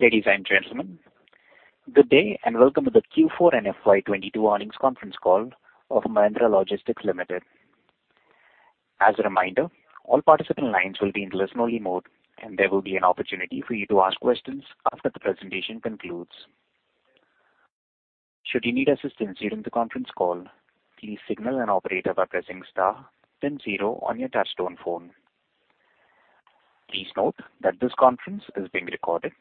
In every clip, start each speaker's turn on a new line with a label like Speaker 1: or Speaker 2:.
Speaker 1: Ladies and gentlemen, good day, and welcome to the Q4 and FY22 earnings conference call of Mahindra Logistics Limited. As a reminder, all participant lines will be in listen only mode, and there will be an opportunity for you to ask questions after the presentation concludes. Should you need assistance during the conference call, please signal an operator by pressing star then zero on your touchtone phone. Please note that this conference is being recorded.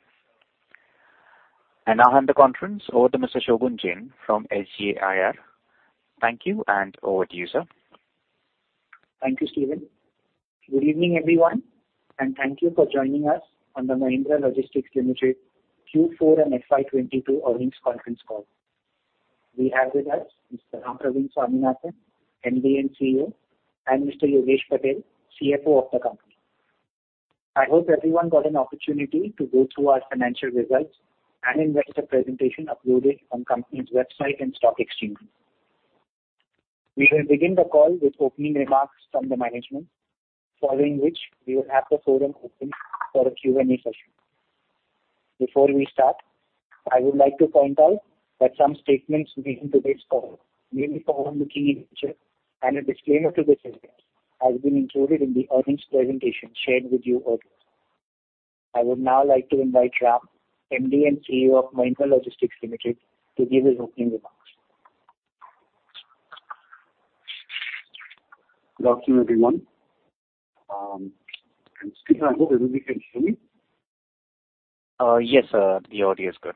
Speaker 1: Now I hand the conference over to Mr. Shogun Jain from SJIR. Thank you, and over to you, sir.
Speaker 2: Thank you, Steven. Good evening, everyone, and thank you for joining us on the Mahindra Logistics Limited Q4 and FY22 earnings conference call. We have with us Mr. Rampraveen Swaminathan, MD & CEO, and Mr. Yogesh Patel, CFO of the company. I hope everyone got an opportunity to go through our financial results and investor presentation uploaded on company's website and stock exchange. We will begin the call with opening remarks from the management, following which we will have the forum open for a Q&A session. Before we start, I would like to point out that some statements made in today's call may be forward-looking in nature and a disclaimer to the same has been included in the earnings presentation shared with you earlier. I would now like to invite Ram, MD & CEO of Mahindra Logistics Limited, to give his opening remarks.
Speaker 3: Good afternoon, everyone. Steven, I hope everybody can hear me.
Speaker 1: Yes, sir. The audio is good.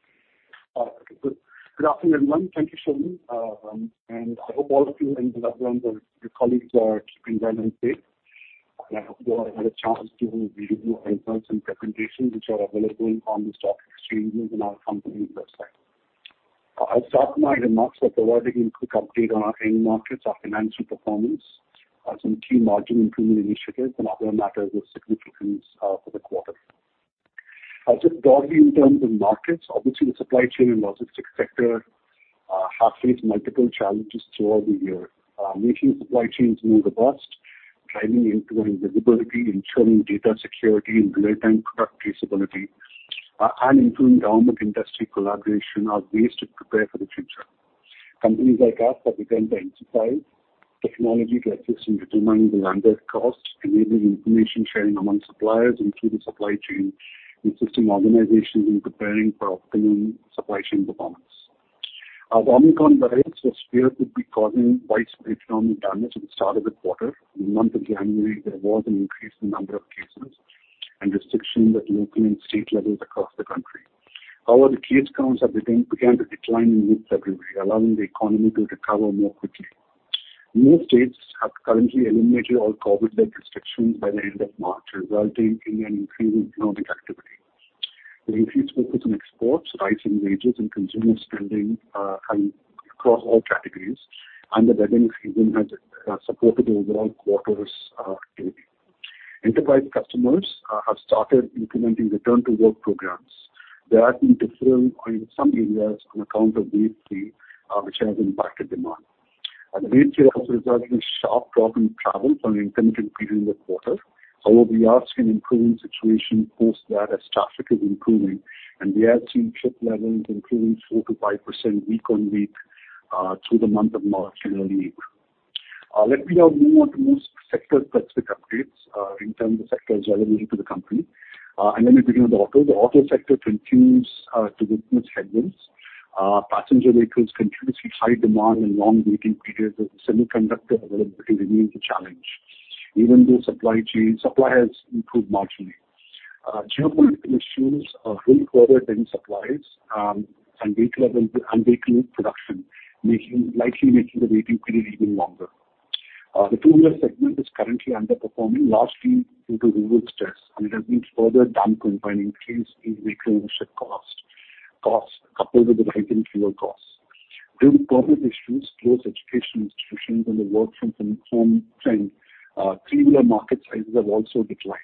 Speaker 3: Okay, good. Good afternoon, everyone. Thank you, Shobhuj. I hope all of you and your loved ones and your colleagues are keeping well and safe. I hope you all had a chance to review our results and presentation, which are available on the stock exchanges and our company website. I'll start my remarks by providing a quick update on our end markets, our financial performance, some key margin improvement initiatives and other matters of significance for the quarter. Just broadly in terms of markets, obviously the supply chain and logistics sector have faced multiple challenges throughout the year. Making supply chains more robust, driving end-to-end visibility, ensuring data security and real-time product traceability, and improving downward industry collaboration are ways to prepare for the future. Companies like us are beginning to emphasize technology to assist in determining the landed costs, enabling information sharing among suppliers and through the supply chain, assisting organizations in preparing for optimum supply chain performance. As Omicron variants were feared to be causing widespread economic damage at the start of the quarter, in the month of January, there was an increase in number of cases and restrictions at local and state levels across the country. However, the case counts have begun to decline in mid-February, allowing the economy to recover more quickly. Most states have currently eliminated all COVID-led restrictions by the end of March, resulting in an increase in economic activity. The increased focus on exports, rise in wages and consumer spending across all categories and the wedding season has supported the overall quarter's trading. Enterprise customers have started implementing return to work programs. There have been differences in some areas on account of wave three, which has impacted demand. Wave three has resulted in sharp drop in travel for an intermittent period in the quarter. However, we are seeing improving situation post that as traffic is improving and we have seen shipment levels improving 4%-5% week-on-week through the month of March and early April. Let me now move on to more sector-specific updates in terms of sectors relevant to the company, and let me begin with auto. The auto sector continues to witness headwinds. Passenger vehicles continues to see high demand and long waiting periods as the semiconductor availability remains a challenge, even though supply chain suppliers improved marginally. Geopolitical issues have further thinned supplies and vehicle availability and vehicle production, likely making the waiting period even longer. The two-wheeler segment is currently underperforming, largely due to rural stress, and it has been further dampened by an increase in vehicle ownership cost coupled with the rise in fuel costs. Due to COVID issues, closure of education institutions and the work from home trend, three-wheeler market sizes have also declined.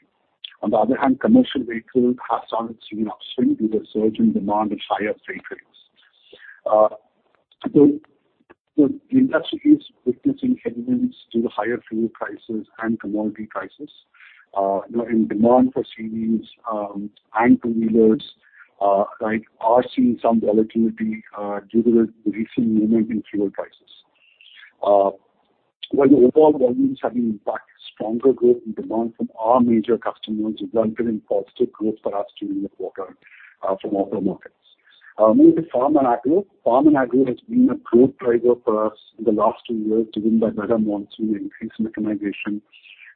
Speaker 3: On the other hand, commercial vehicle has started seeing an upswing due to a surge in demand for higher freight rates. The industry is witnessing headwinds due to higher fuel prices and commodity prices, you know, and demand for CVs and two-wheelers, like, are seeing some volatility due to the recent movement in fuel prices. While the overall volumes have been impacted, stronger growth in demand from our major customers is driving positive growth for us during the quarter from auto markets. Moving to farm and agro. Farm and agro has been a growth driver for us in the last two years, driven by better monsoon, increased mechanization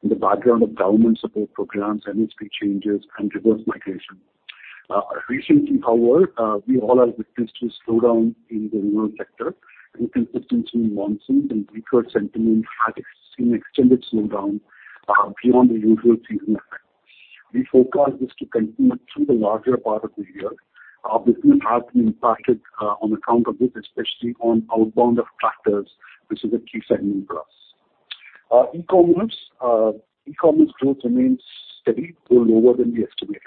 Speaker 3: and the background of government support programs, MSP changes and reverse migration. Recently, however, we all are witness to a slowdown in the rural sector. Inconsistent monsoons and weaker sentiment has seen extended slowdown beyond the usual season effect. We forecast this to continue through the larger part of the year. Our business has been impacted on account of this, especially on outbound of tractors, which is a key segment for us. E-commerce. E-commerce growth remains steady, though lower than we estimated.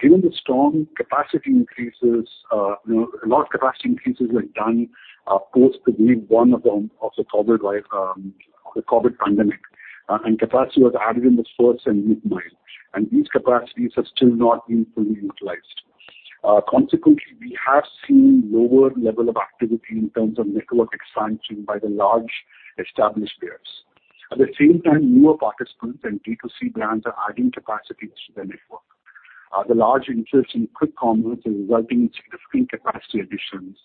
Speaker 3: Given the strong capacity increases, you know, a lot of capacity increases were done post the wave one of the COVID pandemic, and capacity was added in the first and mid mile, and these capacities have still not been fully utilized. Consequently, we have seen lower level of activity in terms of network expansion by the large established players. At the same time, newer participants and D2C brands are adding capacity to their network. The large interest in quick commerce is resulting in significant capacity additions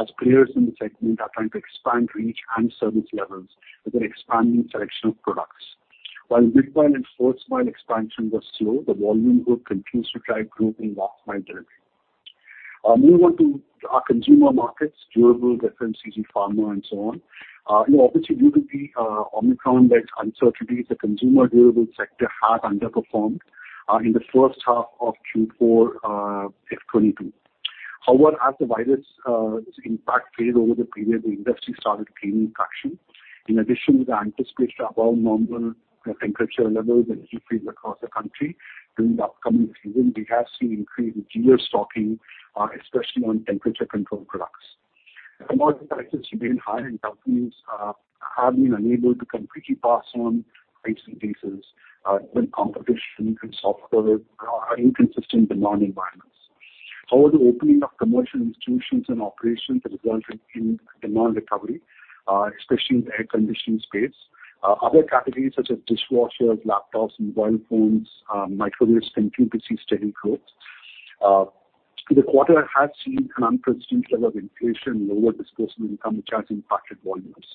Speaker 3: as players in the segment are trying to expand reach and service levels with an expanding selection of products. While mid mile and first mile expansion was slow, the volume growth continues to drive growth in last mile delivery. Moving on to our consumer markets, durables, e-commerce, pharma and so on. You know, obviously due to the Omicron-led uncertainties, the consumer durable sector had underperformed in the first half of Q4 FY 2022. However, as the virus impact faded over the period, the industry started gaining traction. In addition to the anticipated above normal temperature levels and heatwaves across the country during the upcoming season, we have seen increased dealer stocking, especially on temperature controlled products. Commodity prices remain high, and companies have been unable to completely pass on price increases with competition and softer, inconsistent demand environments. However, the opening of commercial institutions and operations has resulted in demand recovery, especially in the air conditioning space. Other categories such as dishwashers, laptops, mobile phones, microwaves continue to see steady growth. The quarter has seen an unprecedented level of inflation and lower disposable income, which has impacted volumes.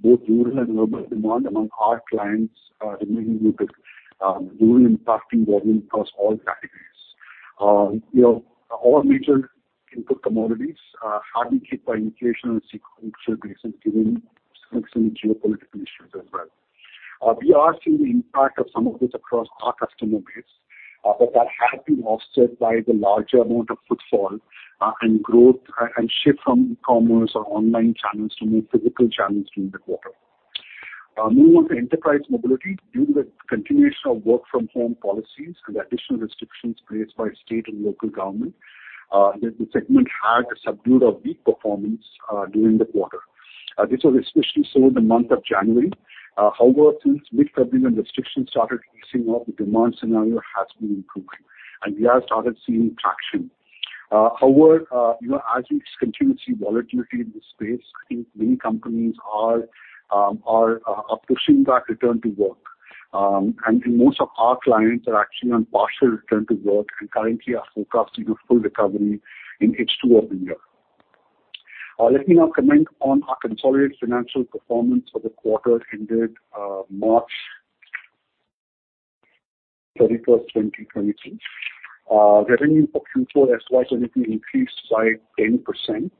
Speaker 3: Both rural and urban demand among our clients are remaining muted, really impacting volume across all categories. You know, all major input commodities have been hit by inflation on a sequential basis given some geopolitical issues as well. We are seeing the impact of some of this across our customer base, but that has been offset by the larger amount of footfall and growth and shift from e-commerce or online channels to more physical channels during the quarter. Moving on to enterprise mobility. Due to the continuation of work from home policies and additional restrictions placed by state and local government, the segment had a subdued or weak performance during the quarter. This was especially so in the month of January. However, since mid-February when restrictions started easing up, the demand scenario has been improving and we have started seeing traction. However, you know, as we continue to see volatility in this space, I think many companies are pushing back return to work. Most of our clients are actually on partial return to work and currently are forecasting a full recovery in H2 of the year. Let me now comment on our consolidated financial performance for the quarter ended March 31, 2022. Revenue for Q4 FY22 increased by 10%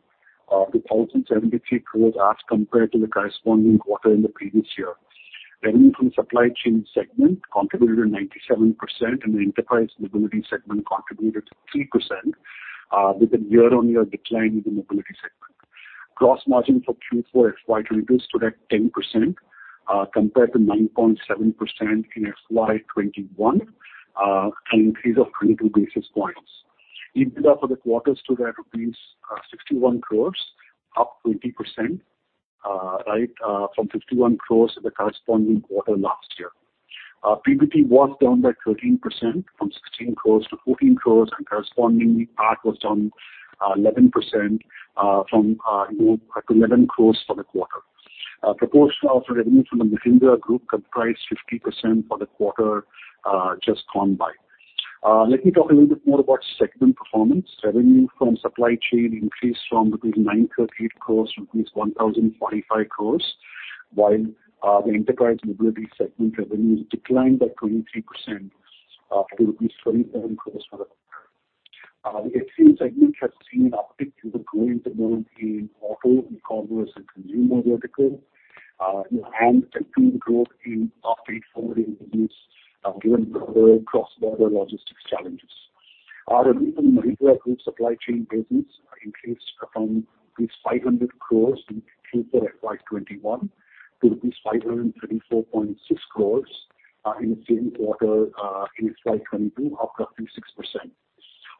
Speaker 3: to 1,073 crores as compared to the corresponding quarter in the previous year. Revenue from supply chain segment contributed 97% and the enterprise mobility segment contributed 3% with a year-on-year decline in the mobility segment. Gross margin for Q4 FY 2022 stood at 10%, compared to 9.7% in FY 2021, an increase of 22 basis points. EBITDA for the quarter stood at rupees 61 crores, up 20%, from 51 crores in the corresponding quarter last year. PBT was down by 13% from 16 crores to 14 crores, and correspondingly PAT was down 11% to 11 crores for the quarter. Proportion of revenue from the Mahindra Group comprised 50% for the quarter, just gone by. Let me talk a little bit more about segment performance. Revenue from supply chain increased from 938 crores to 1,045 crores, while the enterprise mobility segment revenues declined by 23% to INR 27 crores for the quarter. The HCM segment has seen an uptick due to growing demand in auto, e-commerce and consumer vertical, you know, and continued growth in uptake for rail business given global cross-border logistics challenges. Our revenue from Mahindra Group supply chain business increased from rupees 500 crores in Q4 FY 2021 to rupees 534.6 crores, in the same quarter, in FY 2022, up 36%.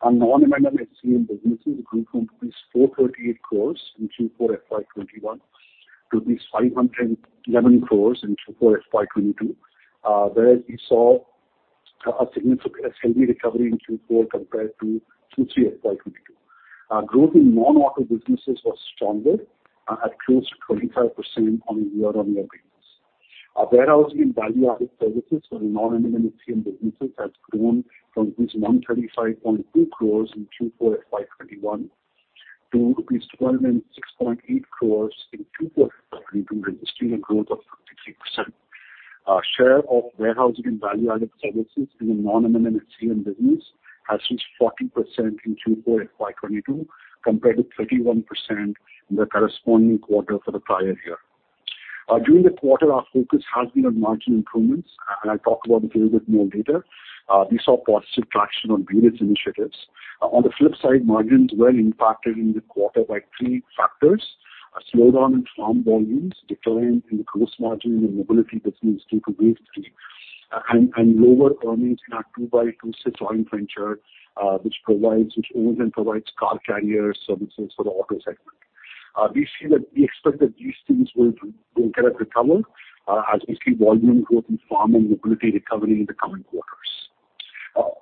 Speaker 3: Our non-M&M HCM businesses grew from 438 crores in Q4 FY 2021 to 511 crores in Q4 FY 2022. Whereas we saw a significant SCM recovery in Q4 compared to Q3 FY 2022. Growth in non-auto businesses was stronger at close to 25% on a year-on-year basis. Our warehousing and value-added services for the non-M&M HCM businesses has grown from 135.2 crores in Q4 FY 2021 to 126.8 crores in Q4 FY 2022, registering a growth of 53%. Our share of warehousing and value-added services in the non-M&M HCM business has reached 40% in Q4 FY 2022 compared to 31% in the corresponding quarter for the prior year. During the quarter, our focus has been on margin improvements, and I'll talk about it a little bit more later. We saw positive traction on various initiatives. On the flip side, margins were impacted in the quarter by three factors. A slowdown in farm volumes, decline in the gross margin in mobility business due to base effect, and lower earnings in our 2x2's joint venture, which owns and provides car carrier services for the auto segment. We see that we expect that these things will kind of recover as we see volume growth in farm and mobility recovery in the coming quarters.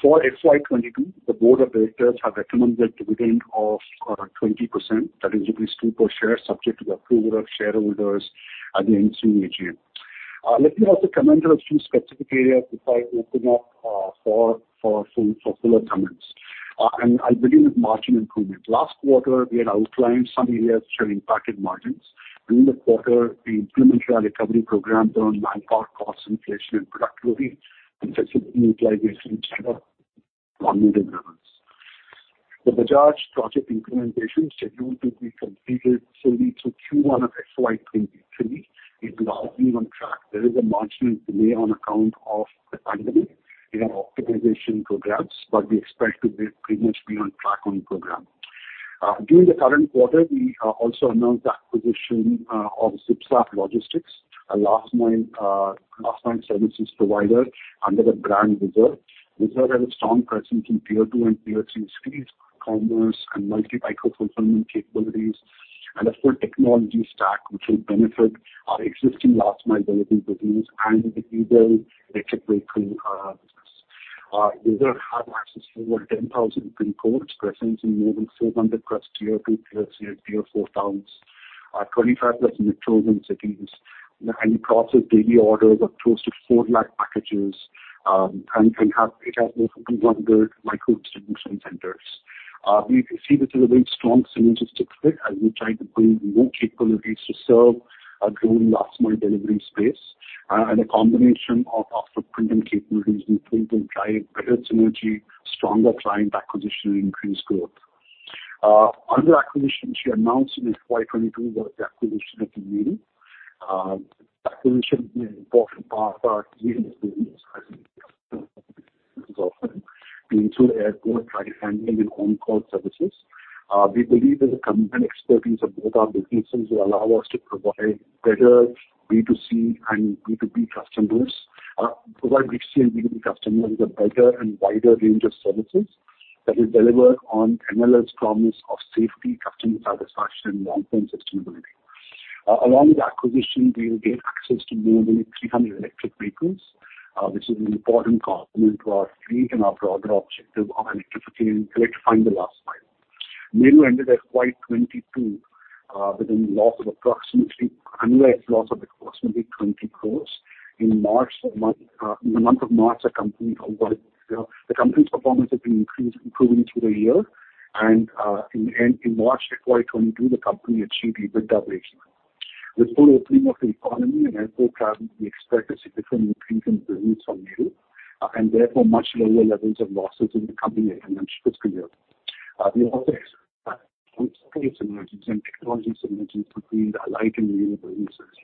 Speaker 3: For FY 2022, the board of directors have recommended dividend of 20% that is 2 per share, subject to the approval of shareholders at the ensuing AGM. Let me also comment on a few specific areas before I open up for some fuller comments. I'll begin with margin improvement. Last quarter, we had outlined some areas which have impacted margins. During the quarter, we implemented our recovery program around manpower cost inflation and productivity, and this has been utilized since then on multiple levels. The Bajaj project implementation scheduled to be completed fully through Q1 of FY 2023. It will all be on track. There is a marginal delay on account of the pandemic in our optimization programs, but we expect to be pretty much on track on program. During the current quarter, we also announced the acquisition of ZipZap Logistics, a last mile services provider under the brand Whizzard. Whizzard has a strong presence in tier two and tier three cities, e-commerce and multi micro-fulfillment capabilities, and a full technology stack which will benefit our existing last mile delivery business and the EDel electric vehicle business. Whizzard have access to over 10,000 pin codes, presence in more than 600+ tier two, tier three and tier four towns. 25+ metro and cities, and process daily orders of close to 4 lakh packages, and it has more than 200 micro distribution centers. We see this as a very strong synergistic fit as we try to bring new capabilities to serve a growing last mile delivery space, and a combination of the premium capabilities we think will drive better synergy, stronger client acquisition, and increased growth. Other acquisitions we announced in FY 2022 was the acquisition of Meru. The acquisition is an important part of our freight business and into airport cargo handling and on-ground services. We believe that the combined expertise of both our businesses will allow us to provide B2C and B2B customers with a better and wider range of services that will deliver on MLL's promise of safety, customer satisfaction, and long-term sustainability. Along with acquisition, we will get access to more than 300 electric vehicles, which is an important component to our fleet and our broader objective of electrifying the last mile. Meru ended FY 2022 with an annual loss of approximately 20 crore. In the month of March, the company's performance had been improving through the year and, in March FY 2022, the company achieved EBITDA breakeven. With full opening of the economy and airport travel, we expect to see definite increase in business from Meru, and therefore much lower levels of losses in the company in the next fiscal year. We also expect synergies and technology synergies between the Alyte and Meru businesses,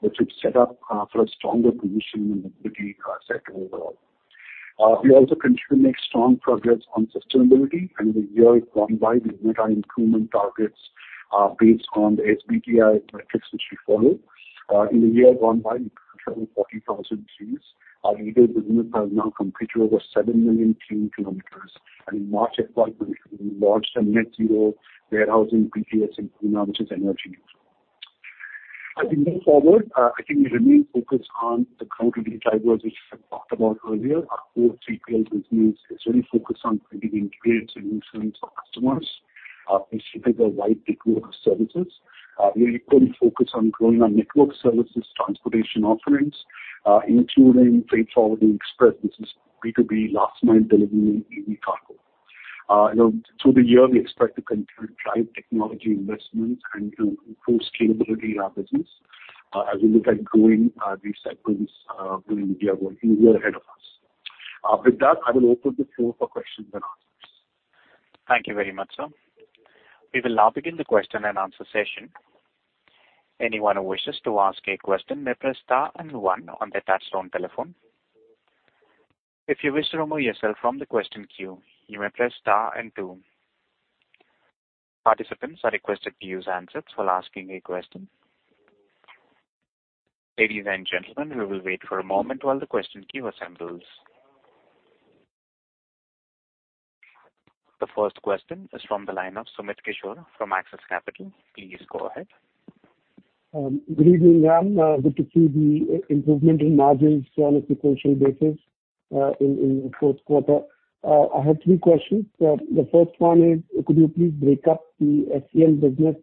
Speaker 3: which would set up for a stronger position in the mobility sector overall. We also continue to make strong progress on sustainability. In the year gone by, we've met our improvement targets based on the SBTi metrics which we follow. In the year gone by, we planted 40,000 trees. Our EDel business has now completed over 7 million clean kilometers. In March FY 2023, we launched a net zero warehousing PGS in Pune, which is energy neutral. I think going forward, I think we remain focused on the growth drivers which I talked about earlier. Our core 3PL business is really focused on providing integrated solutions for customers, which delivers a wide portfolio of services. We are equally focused on growing our network services transportation offerings, including freight forwarding express. This is B2B last mile delivery in e-cargo. You know, through the year, we expect to continue to drive technology investments and to improve scalability in our business, as we look at growing these segments during the year ahead of us. With that, I will open the floor for questions and answers.
Speaker 1: Thank you very much, sir. We will now begin the question and answer session. Anyone who wishes to ask a question may press star and one on the touchtone telephone. If you wish to remove yourself from the question queue, you may press star and two. Participants are requested to use handsets while asking a question. Ladies and gentlemen, we will wait for a moment while the question queue assembles. The first question is from the line of Sumit Kishore from Axis Capital. Please go ahead.
Speaker 4: Good evening, Ram. Good to see the improvement in margins on a sequential basis in the fourth quarter. I have three questions. The first one is, could you please break up the SCL business,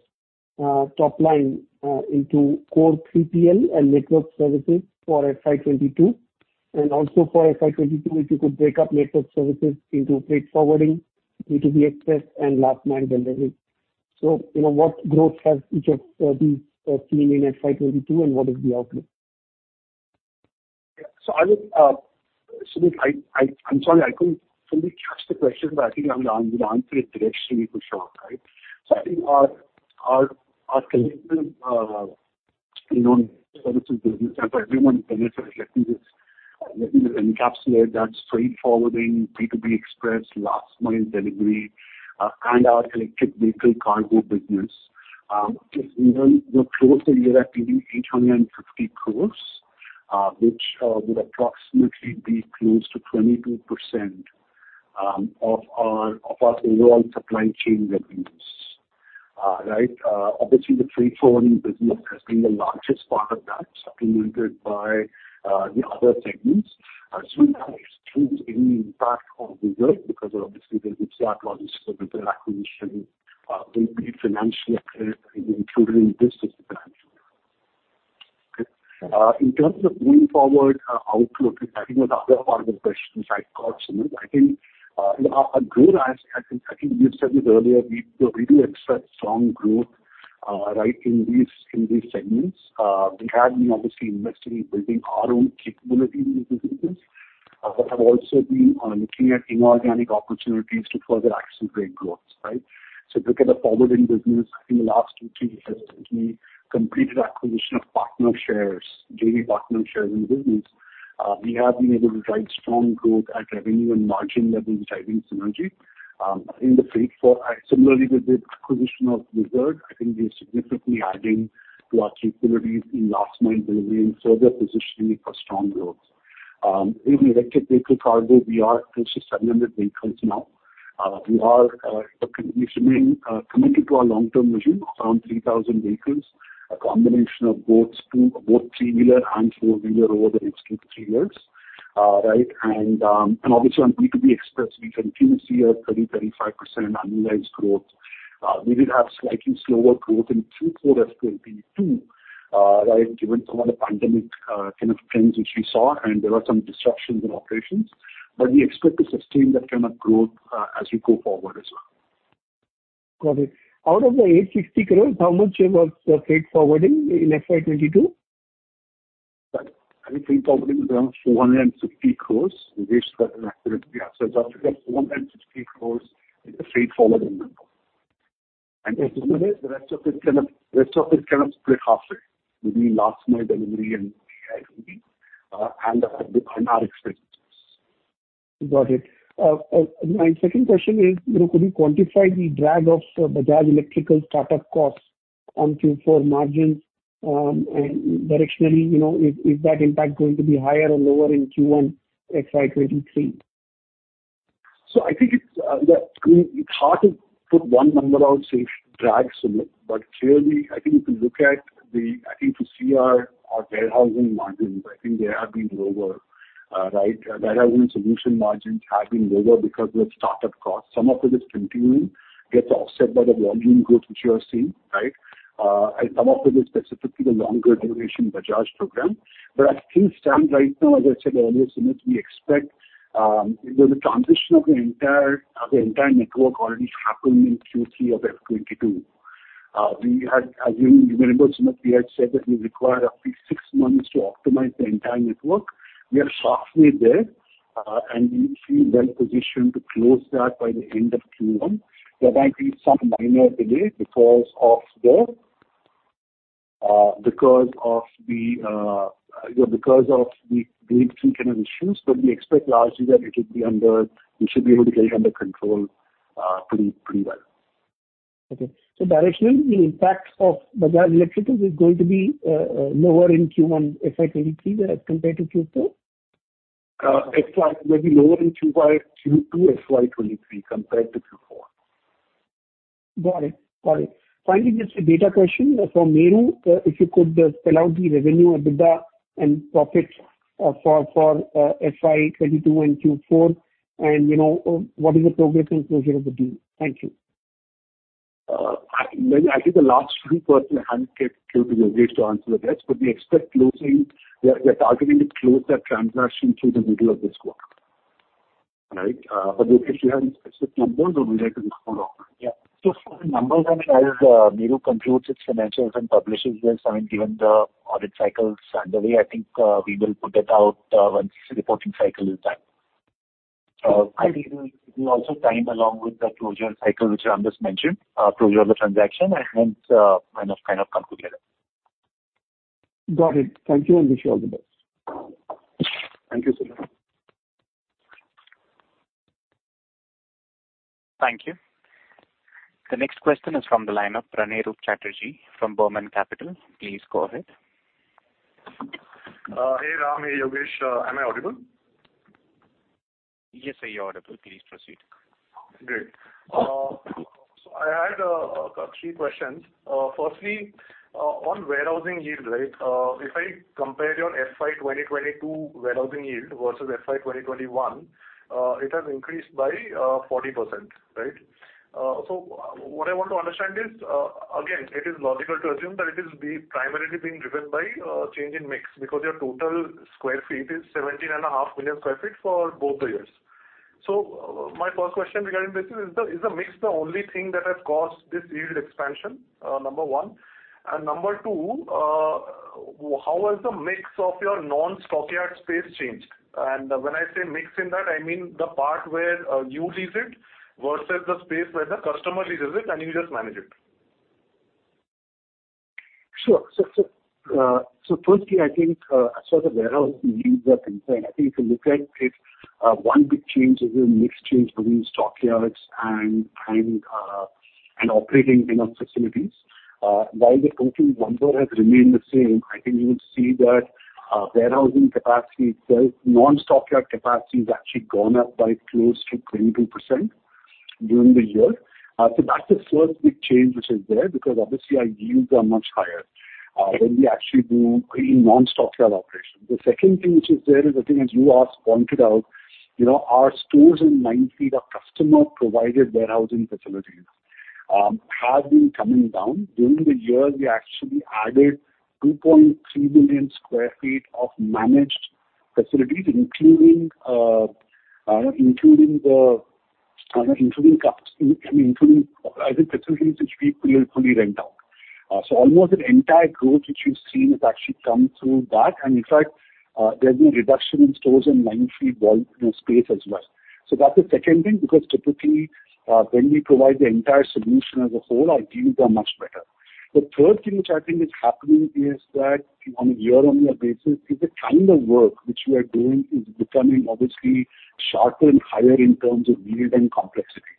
Speaker 4: top line, into core 3PL and network services for FY 2022? And also for FY 2022, if you could break up network services into freight forwarding, B2B express and last mile delivery. You know, what growth has each of these seen in FY 2022, and what is the outlook?
Speaker 3: I would, Sumit, I'm sorry I couldn't fully catch the question, but I think I'm gonna answer it directly for sure, right. I think our connected, you know, services business and for everyone's benefit, let me just encapsulate that freight forwarding B2B express, last mile delivery, and our electric vehicle cargo business. We closed the year at maybe 850 crores. Which would approximately be close to 22% of our overall supply chain revenues, right? Obviously, the freight forwarding business has been the largest part of that, supplemented by the other segments. That excludes any impact of Whizzard because obviously there's IT stack logic for the acquisition, will be financially included in this as well. In terms of moving forward outlook, I think that's the other part of the question, right, Sumit. I think our growth, as we've said this earlier, we do expect strong growth, right, in these segments. We have been obviously investing in building our own capability in these businesses, but have also been looking at inorganic opportunities to further accelerate growth, right? If you look at the forwarding business, I think in the last 2-3 years, we completed acquisition of partner shares, JV partner shares in the business. We have been able to drive strong growth at revenue and margin levels, driving synergy. Similarly, with the acquisition of Whizzard, I think we're significantly adding to our capabilities in last mile delivery and further positioning for strong growth. In the electric vehicle cargo, we are close to 700 vehicles now. We remain committed to our long-term vision of around 3,000 vehicles, a combination of both three-wheeler and four-wheeler over the next 2-3 years, right? Obviously on B2B express, we continue to see a 30-35% annualized growth. We did have slightly slower growth in Q4 of 2022, right, given some of the pandemic kind of trends which we saw, and there were some disruptions in operations. We expect to sustain that kind of growth as we go forward as well.
Speaker 4: Got it. Out of the 860 crore, how much was freight forwarding in FY 2022?
Speaker 3: I think freight forwarding was around 460 crores. If I recall accurately. Yeah. It's roughly INR 460 crores in the freight forwarding business. Similarly, the rest of it kind of split halfway between last mile delivery and AIF, and our express business.
Speaker 4: Got it. My second question is, you know, could you quantify the drag of Bajaj Electricals startup costs on Q4 margins? Directionally, you know, is that impact going to be higher or lower in Q1 FY 2023?
Speaker 3: I think it's hard to put one number out and say drag, Sumit. Clearly, I think if you look at our warehousing margins, I think they have been lower, right? Our warehousing solution margins have been lower because of startup costs. Some of it is continuing, gets offset by the volume growth which you are seeing, right? And some of it is specifically the longer duration Bajaj program. As things stand right now, as I said earlier, Sumit, we expect you know, the transition of the entire network already happened in Q3 of FY 2022. We had, as you remember, Sumit, we had said that we require at least six months to optimize the entire network. We are halfway there, and we feel well positioned to close that by the end of Q1. There might be some minor delay because of the few kind of issues, but we expect largely that we should be able to get it under control pretty well.
Speaker 4: Directionally, the impact of Bajaj Electricals is going to be lower in Q1 FY 2023 as compared to Q4?
Speaker 3: Maybe lower in Q2 FY23 compared to Q4.
Speaker 4: Got it. Finally, just a data question for Meru. If you could spell out the revenue, EBITDA and profits for FY 2022 and Q4, and you know, what is the progress in closure of the deal? Thank you.
Speaker 3: Sumit, I think the last few parts I haven't got Yogesh to answer that. We expect closing. We are targeting to close that transaction through the middle of this quarter. Right? Yogesh, do you have any specific numbers or would you like to comment on that?
Speaker 5: Yeah. For the numbers, I mean, as Meru concludes its financials and publishes this, I mean, given the audit cycles underway, I think, we will put it out, once the reporting cycle is done.
Speaker 3: I think it will also tie along with the closure cycle which Ram just mentioned, closure of the transaction and kind of come together.
Speaker 4: Got it. Thank you and wish you all the best.
Speaker 3: Thank you, Sumit.
Speaker 1: Thank you. The next question is from the line of Pranay Roop Chatterjee from Burman Capital. Please go ahead.
Speaker 6: Hey, Ram. Hey, Yogesh. Am I audible?
Speaker 1: Yes, sir, you're audible. Please proceed.
Speaker 6: Great. I had three questions. Firstly, on warehousing yield, right? If I compare your FY 2022 warehousing yield versus FY 2021, it has increased by 40%, right? What I want to understand is, again, it is logical to assume that it is primarily being driven by change in mix because your total square feet is 17.5 million sq ft for both the years. My first question regarding this is the mix the only thing that has caused this yield expansion? Number one. Number two, how has the mix of your non-stockyard space changed? When I say mix in that, I mean the part where you lease it versus the space where the customer leases it and you just manage it.
Speaker 3: First, I think, as far as the warehousing yields are concerned, I think if you look at it, one big change is the mix change between stockyards and operating in our facilities. While the total number has remained the same, I think you would see that warehousing capacity itself, non-stockyard capacity has actually gone up by close to 22% during the year. That's the first big change which is there, because obviously our yields are much higher when we actually do a non-stockyard operation. The second thing which is there is, I think as you just pointed out, you know, our share in 90% of customer-provided warehousing facilities have been coming down. During the year, we actually added 2.3 million sq ft of managed facilities, including BTS facilities which we fully rent out. Almost the entire growth which you've seen has actually come through that. In fact, there's been a reduction in storage and 9-foot wall, you know, space as well. That's the second thing, because typically, when we provide the entire solution as a whole, our yields are much better. The third thing which I think is happening is that on a year-on-year basis is the kind of work which we are doing is becoming obviously sharper and higher in terms of yield and complexity.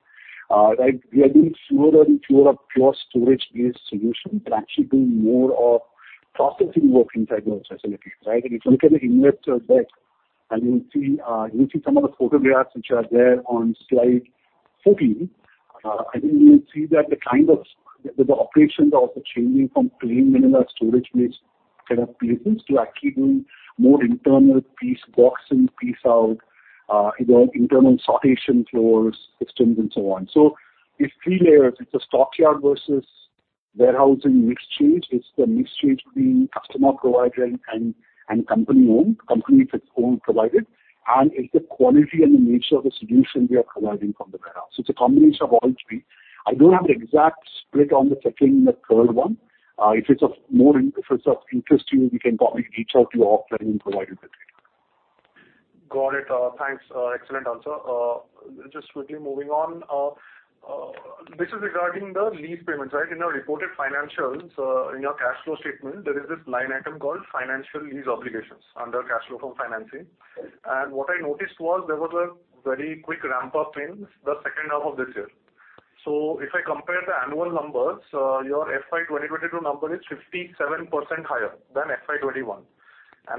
Speaker 3: Like we are doing fewer and fewer of pure storage-based solutions. We're actually doing more of processing work inside those facilities, right? If you look at the investor deck and you'll see, you'll see some of the photographs which are there on slide 14, I think you'll see that the kind of the operations are also changing from plain vanilla storage-based kind of places to actually doing more internal piece boxing, piece out, you know, internal sortation floors, systems and so on. It's three layers. It's a stockyard versus warehousing mix change. It's the mix change between customer provided and company owned, company to its own provided, and it's the quality and the nature of the solution we are providing from the warehouse. It's a combination of all three. I don't have an exact split on the second and the third one. If it's of interest to you, we can probably reach out to you offline and provide you with it.
Speaker 6: Got it. Thanks. Excellent answer. Just quickly moving on. This is regarding the lease payments, right? In your reported financials, in your cash flow statement, there is this line item called financial lease obligations under cash flow from financing. What I noticed was there was a very quick ramp up in the second half of this year. If I compare the annual numbers, your FY 2022 number is 57% higher than FY 2021.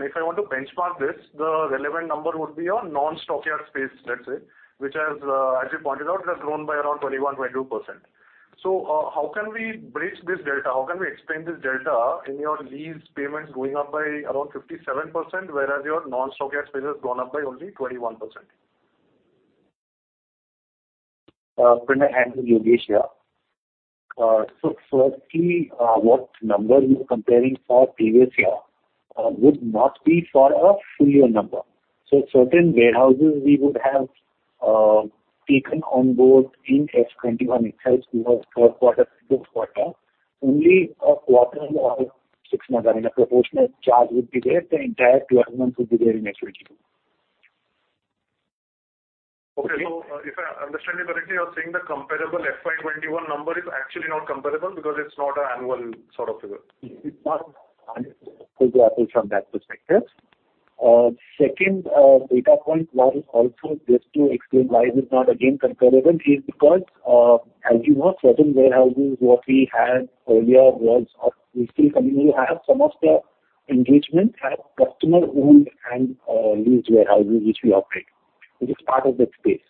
Speaker 6: If I want to benchmark this, the relevant number would be your non-stockyard space, let's say, which, as you pointed out, has grown by around 21%-22%. How can we bridge this delta? How can we explain this delta in your lease payments going up by around 57%, whereas your non-stockyard space has gone up by only 21%?
Speaker 5: Pranay, Andrew, Yogesh here. Firstly, what number you're comparing for previous year would not be for a full year number. Certain warehouses we would have taken on board in FY 2021 itself. We have third quarter, fourth quarter, only a quarter or 6 months are in a proportional charge would be there. The entire 12 months would be there in FY 2022.
Speaker 6: Okay. If I understand you correctly, you're saying the comparable FY 21 number is actually not comparable because it's not an annual sort of figure.
Speaker 5: It's not annual figure from that perspective. Second, data point was also just to explain why is it not again comparable is because, as you know, certain warehousing what we had earlier was, we still continue to have some of the engagement at customer owned and leased warehousing which we operate, which is part of that space.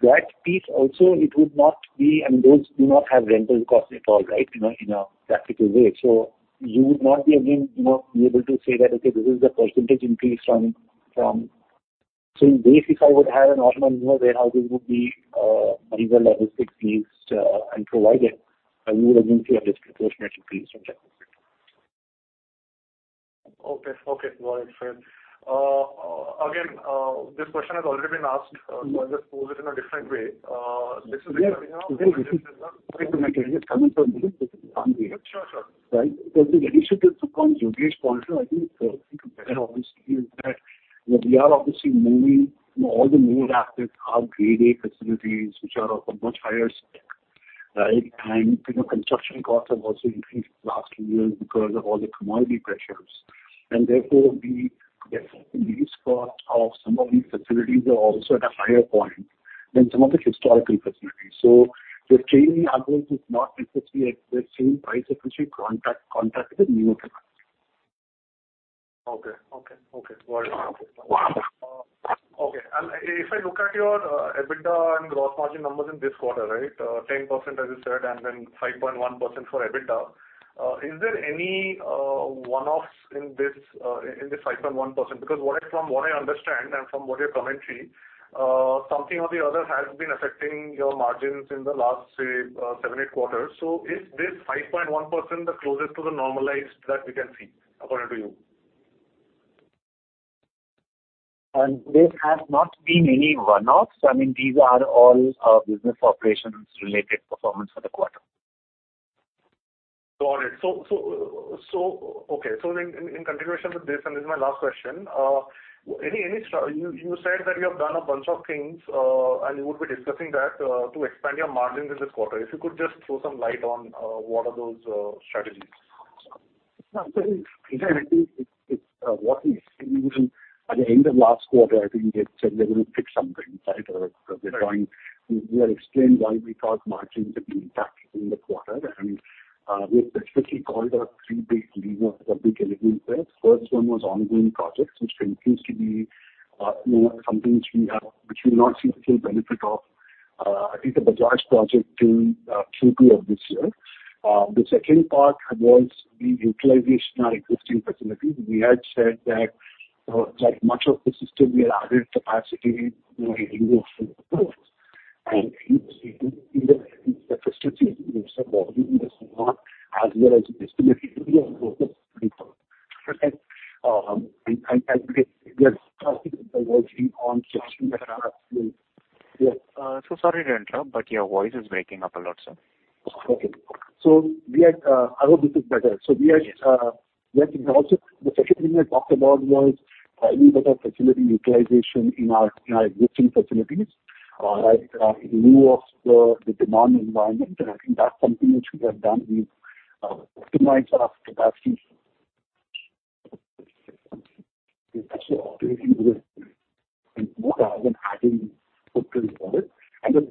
Speaker 5: That piece also it would not be and those do not have rental costs at all, right? You know, in a practical way. You would not be again, you know, be able to say that, okay, this is the percentage increase from... In basics I would have an optimum warehouse would be, either logistics leased and provided, and we wouldn't be able to see a disproportionate increase from that perspective.
Speaker 6: Okay. Got it. Fair. Again, this question has already been asked, so I'll just pose it in a different way. This is regarding our-
Speaker 3: Yeah. It's coming from this.
Speaker 6: Sure. Sure.
Speaker 3: Right. Because the way you should look at Yogesh's point, I think a better obviously is that we are obviously moving all the newer assets, our grade A facilities, which are of a much higher spec, right? You know, construction costs have also increased in the last two years because of all the commodity pressures. Therefore the lease cost of some of these facilities are also at a higher point than some of the historical facilities. The change in our rates is not necessarily at the same price at which we contracted the newer capacity.
Speaker 6: Okay. Got it.
Speaker 3: Wow.
Speaker 6: Okay. If I look at your EBITDA and gross margin numbers in this quarter, right? 10% as you said, and then 5.1% for EBITDA. Is there any one-offs in this 5.1%? Because from what I understand and from what your commentary, something or the other has been affecting your margins in the last, say, seven, eight quarters. Is this 5.1% the closest to the normalized that we can see according to you?
Speaker 3: There has not been any one-offs. I mean, these are all business operations related performance for the quarter.
Speaker 6: Got it. Okay. In continuation with this, and this is my last question. You said that you have done a bunch of things, and you would be discussing that to expand your margins in this quarter. If you could just throw some light on what are those strategies?
Speaker 3: No, I think it's what we said even at the end of last quarter. I think we had said we're gonna fix something, right?
Speaker 7: Right.
Speaker 3: We had explained why we thought margins have been impacted in the quarter. We had specifically called out three big levers or big elements there. First one was ongoing projects, which continues to be, you know, something which we'll not see the full benefit of, I think the Bajaj project till Q2 of this year. The second part was the utilization of existing facilities. We had said that, like much of the system, we added capacity, you know, in view of and in the first two years was not as well as we estimated. We are working on fixing that up.
Speaker 1: Sorry to interrupt, but your voice is breaking up a lot, sir.
Speaker 3: Okay. I hope this is better.
Speaker 1: Yes.
Speaker 3: Working also. The second thing I talked about was a little better facility utilization in our existing facilities, right, in lieu of the demand environment. I think that's something which we have done. We've optimized our capacities rather than adding footprint for it. Then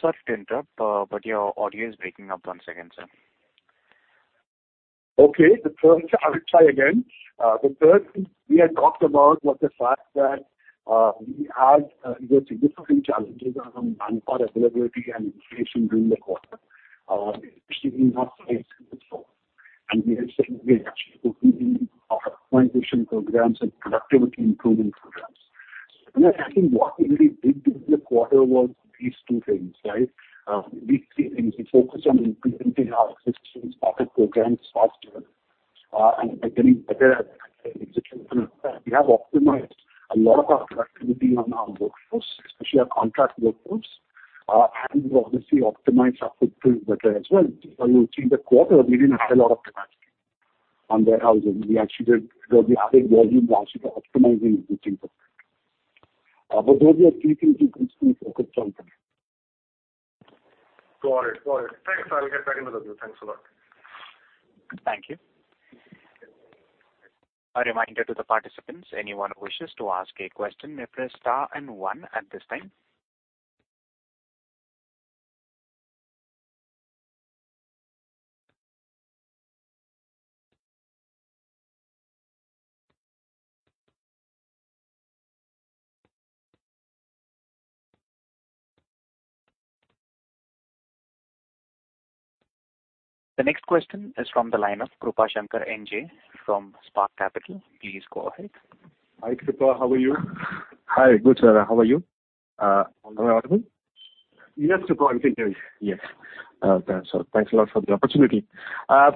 Speaker 1: Sorry to interrupt, but your audio is breaking up. One second, sir.
Speaker 3: Okay. The third thing we had talked about was the fact that, you know, significant challenges around manpower availability and inflation during the quarter, which really impacted us as well. We had said we are actually focusing our optimization programs and productivity improvement programs. You know, I think what we really did during the quarter was these two things, right? These three things. We focused on implementing our existing started programs faster, and getting better at execution of that. We have optimized a lot of our productivity on our workforce, especially our contract workforce. We've obviously optimized our footprint better as well. If you will see the quarter, we didn't add a lot of capacity on warehousing. We actually did, though we added volume, we actually were optimizing existing capacity. Those are three things which we focused on, sir.
Speaker 6: Got it. Thanks. I'll get back in with you. Thanks a lot.
Speaker 1: Thank you. A reminder to the participants, anyone who wishes to ask a question may press star and one at this time. The next question is from the line of Krupashankar N J from Spark Capital. Please go ahead.
Speaker 3: Hi, Krupa. How are you?
Speaker 7: Hi. Good, sir. How are you? Am I audible?
Speaker 3: Yes, Krupa. Continue.
Speaker 7: Yes. Thanks a lot. Thanks a lot for the opportunity. I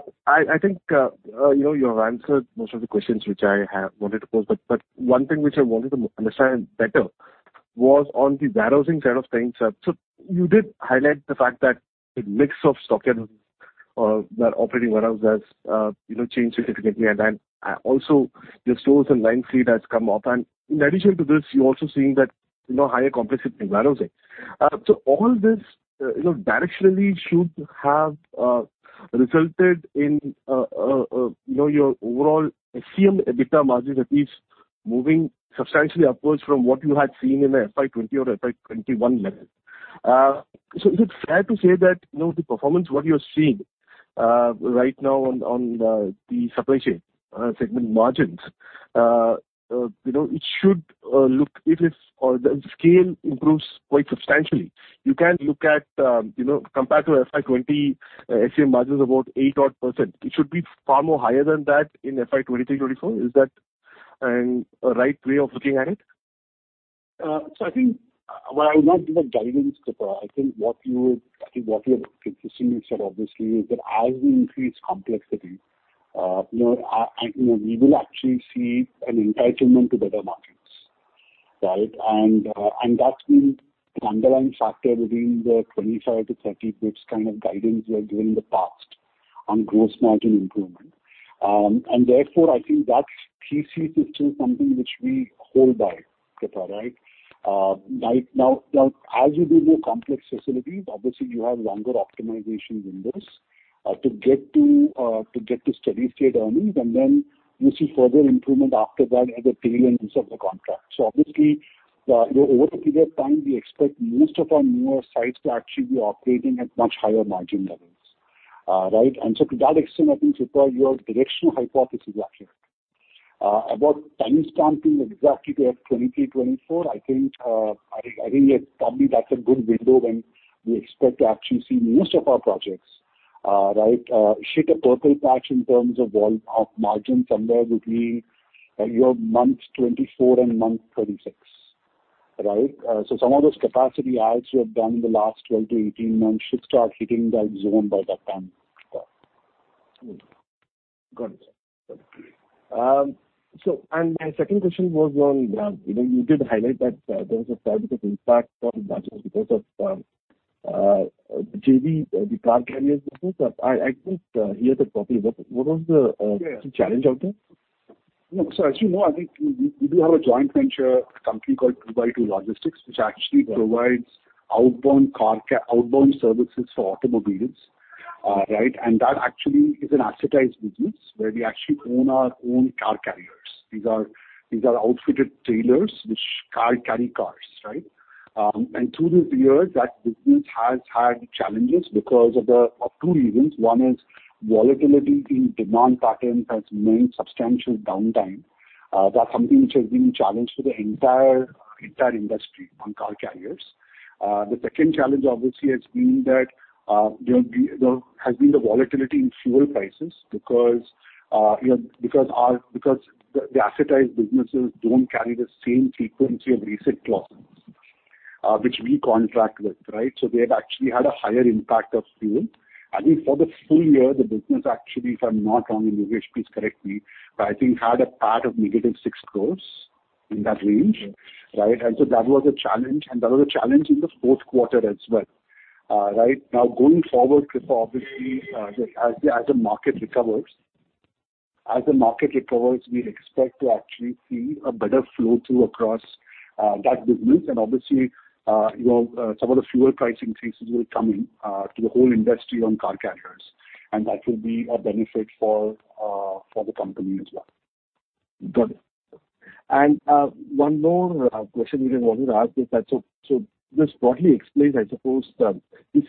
Speaker 7: think, you know, you have answered most of the questions which I have wanted to pose. One thing which I wanted to understand better was on the warehousing side of things. You did highlight the fact that the mix of stock at our operating warehouse has, you know, changed significantly. Your stores and line fleet has come up. In addition to this, you're also seeing that, you know, higher complexity in warehousing. All this, you know, directionally should have your overall SCM EBITDA margins at least moving substantially upwards from what you had seen in a FY 2020 or FY 2021 level. Is it fair to say that, you know, the performance what you're seeing right now on the supply chain segment margins, you know, it should look if the scale improves quite substantially. You can look at, you know, compared to FY 2020, HCM margin is about 8-odd%. It should be far more higher than that in FY 2023, 2024. Is that a right way of looking at it?
Speaker 3: I think while I will not give a guidance, Krupa, I think what you're witnessing, sir, obviously, is that as we increase complexity, you know, we will actually see an entitlement to better margins, right? That's been an underlying factor between the 25-30 basis points kind of guidance we have given in the past on gross margin improvement. Therefore, I think that thesis is still something which we hold by, Krupa, right? By now, as you do more complex facilities, obviously you have longer optimization windows to get to steady state earnings. Then you see further improvement after that at the tail ends of the contract. Obviously, you know, over a period of time, we expect most of our newer sites to actually be operating at much higher margin levels. Right. To that extent, I think, Krupa, your directional hypothesis is accurate. About time stamping exactly to FY 2023, 2024, I think probably that's a good window when we expect to actually see most of our projects hit a purple patch in terms of of margin somewhere between your month 24 and month 36, right? Some of those capacity adds we have done in the last 12 to 18 months should start hitting that zone by that time, Krupa.
Speaker 7: Got it. My second question was on, you know, you did highlight that there was a significant impact on Bajaj because of JV, the car carriers business. I think here the topic, what was the
Speaker 3: Yeah.
Speaker 7: Challenge out there?
Speaker 3: No. As you know, I think we do have a joint venture company called 2x2 Logistics, which actually provides outbound services for automobiles, right? That actually is an assetized business where we actually own our own car carriers. These are outfitted trailers which carry cars, right? Through the years, that business has had challenges because of two reasons. One is volatility in demand patterns has meant substantial downtime. That's something which has been a challenge for the entire industry on car carriers. The second challenge obviously has been that, you know, has been the volatility in fuel prices because, you know, because the assetized businesses don't carry the same frequency of basic clauses, which we contract with, right? They have actually had a higher impact of fuel. I think for the full year, the business actually, if I'm not wrong, and Yogesh, please correct me, but I think had a PAT of -6 crore, in that range.
Speaker 7: Mm-hmm.
Speaker 3: Right? That was a challenge in the fourth quarter as well, right? Now, going forward, Krupa, obviously, as the market recovers, we expect to actually see a better flow-through across that business. Obviously, you know, some of the fuel pricing increases will come in to the whole industry on car carriers, and that will be a benefit for the company as well.
Speaker 7: Got it. One more question we wanted to ask is that, so this broadly explains, I suppose, the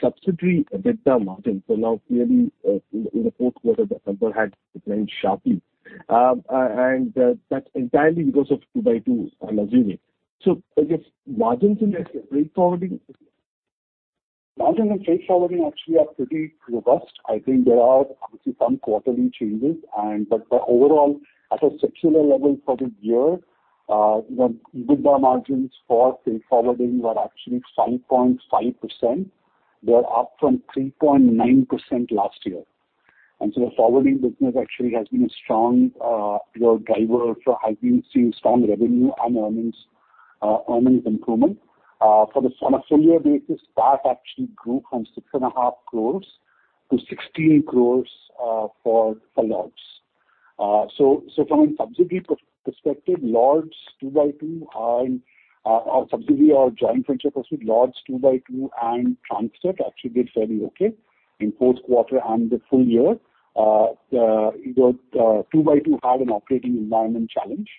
Speaker 7: subsidiary EBITDA margin. Now clearly, in the fourth quarter, the number had declined sharply. That's entirely because of 2x2, I'm assuming. I guess margins in your freight forwarding.
Speaker 3: Margins in freight forwarding actually are pretty robust. I think there are obviously some quarterly changes, but overall, at a secular level for the year, you know, EBITDA margins for freight forwarding were actually 5.5%. They are up from 3.9% last year. The forwarding business actually has been a strong, you know, driver for high PPC, strong revenue and earnings improvement. On a full year basis, that actually grew from 6.5 crore to 16 crore, for Lords. So from a subsidiary perspective, Lords 2x2 and, our subsidiary, our joint venture pursuit, Lords 2x2 and Transmart actually did fairly okay in fourth quarter and the full year. The 2x2 had an operating environment challenge,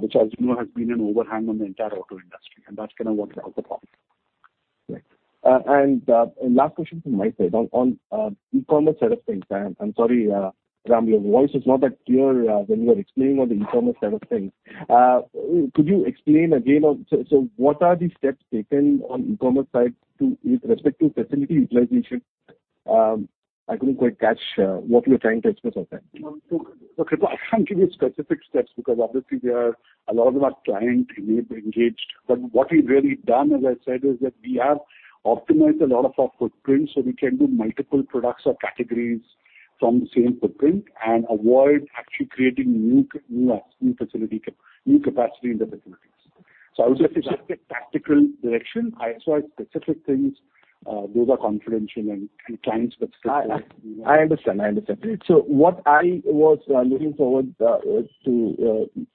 Speaker 3: which as you know has been an overhang on the entire auto industry, and that's kinda worked out the profit.
Speaker 7: Great. Last question from my side. On e-commerce set of things. I'm sorry, Ram, your voice was not that clear when you were explaining on the e-commerce set of things. Could you explain again. What are the steps taken on e-commerce side with respect to facility utilization. I couldn't quite catch what you were trying to express on that.
Speaker 3: Krupa, I can't give you specific steps because obviously there are a lot of our clients remain engaged. What we've really done, as I said, is that we have optimized a lot of our footprint, so we can do multiple products or categories from the same footprint and avoid actually creating new capacity in the facilities. I would say it's just a tactical direction. Specific things, those are confidential and client specific.
Speaker 7: I understand. What I was looking forward to, you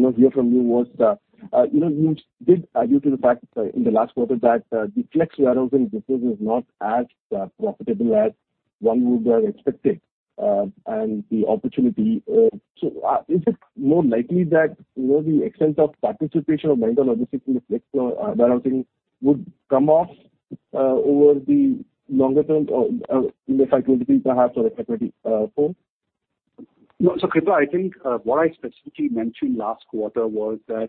Speaker 7: know, hear from you was, you know, you did allude to the fact in the last quarter that the flex warehousing business is not as profitable as one would expected, and the opportunity. Is it more likely that, you know, the extent of participation of Mahindra Logistics in the flex warehousing would come off over the longer term or in the cycle between perhaps or a calendar year full?
Speaker 3: No, Krupa, I think what I specifically mentioned last quarter was that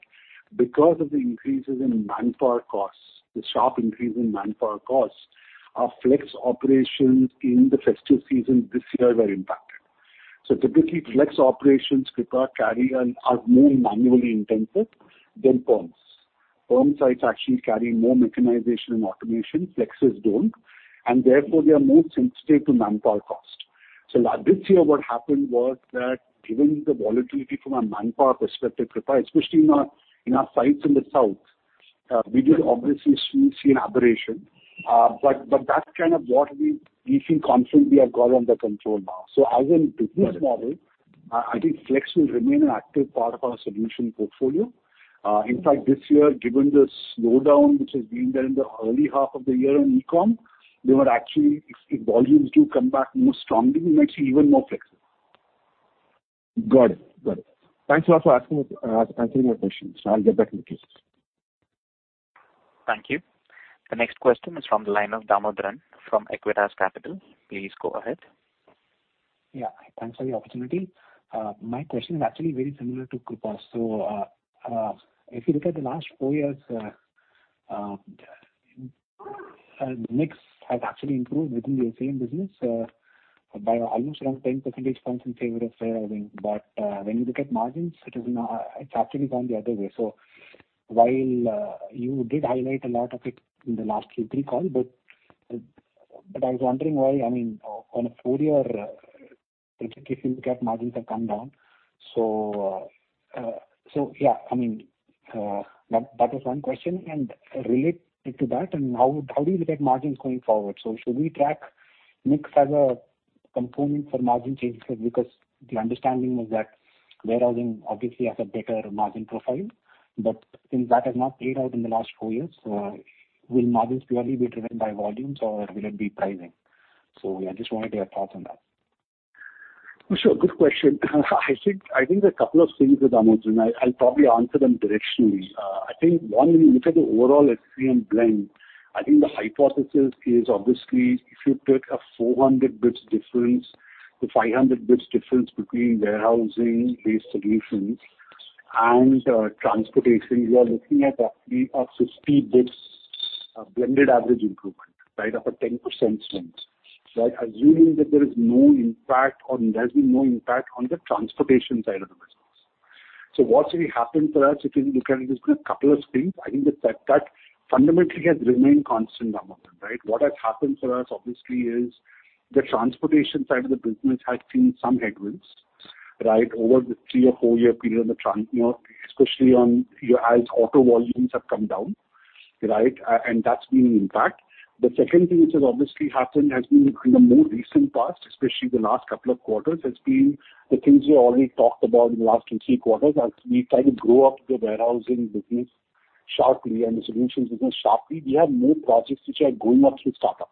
Speaker 3: because of the increases in manpower costs, the sharp increase in manpower costs, our flex operations in the festive season this year were impacted. Typically, flex operations, Krupa, are more manually intensive than PERMs. PERM sites actually carry more mechanization and automation, flexes don't, and therefore they are more sensitive to manpower cost. This year what happened was that given the volatility from a manpower perspective, Krupa, especially in our sites in the south, we did obviously see an aberration. But that's kind of what we feel confident we have got under control now. As a business model, I think flex will remain an active part of our solution portfolio. In fact, this year, given the slowdown which has been there in the early half of the year on e-com, they were actually, if volumes do come back more strongly, we may see even more flexes.
Speaker 7: Got it. Thanks a lot for answering my questions. I'll get back in the queue.
Speaker 1: Thank you. The next question is from the line of Damodaran from Acuitas Investments. Please go ahead.
Speaker 8: Yeah, thanks for the opportunity. My question is actually very similar to Krupa's. If you look at the last four years, mix has actually improved within the same business by almost around 10 percentage points in favor of warehousing. When you look at margins, it is now. It's actually gone the other way. While you did highlight a lot of it in the last Q3 call, but I was wondering why. I mean, on a full year, particularly if you look at margins have come down. Yeah, I mean, that was one question. Related to that, and how do you look at margins going forward? should we track mix as a component for margin changes because the understanding was that warehousing obviously has a better margin profile. Since that has not played out in the last four years, will margins purely be driven by volumes or will it be pricing? I just wanted your thoughts on that.
Speaker 3: Sure. Good question. I think there are a couple of things there, Damodaran. I'll probably answer them directionally. I think one, if you look at the overall SCM blend, I think the hypothesis is obviously if you took a 400 basis points difference to 500 basis points difference between warehousing-based solutions and transportation, you are looking at roughly a 50 basis points blended average improvement, right? About 10% strength, right? Assuming that there's been no impact on the transportation side of the business. What really happened for us, if you look at it, is a couple of things. I think the fact that fundamentally has remained constant, Damodaran, right? What has happened for us obviously is the transportation side of the business has seen some headwinds, right, over the 3- or 4-year period, you know, especially as auto volumes have come down, right? That's been an impact. The second thing which has obviously happened has been in the more recent past, especially the last couple of quarters, has been the things we already talked about in the last 2, 3 quarters. As we try to grow up the warehousing business sharply and the solutions business sharply, we have more projects which are going up through startup.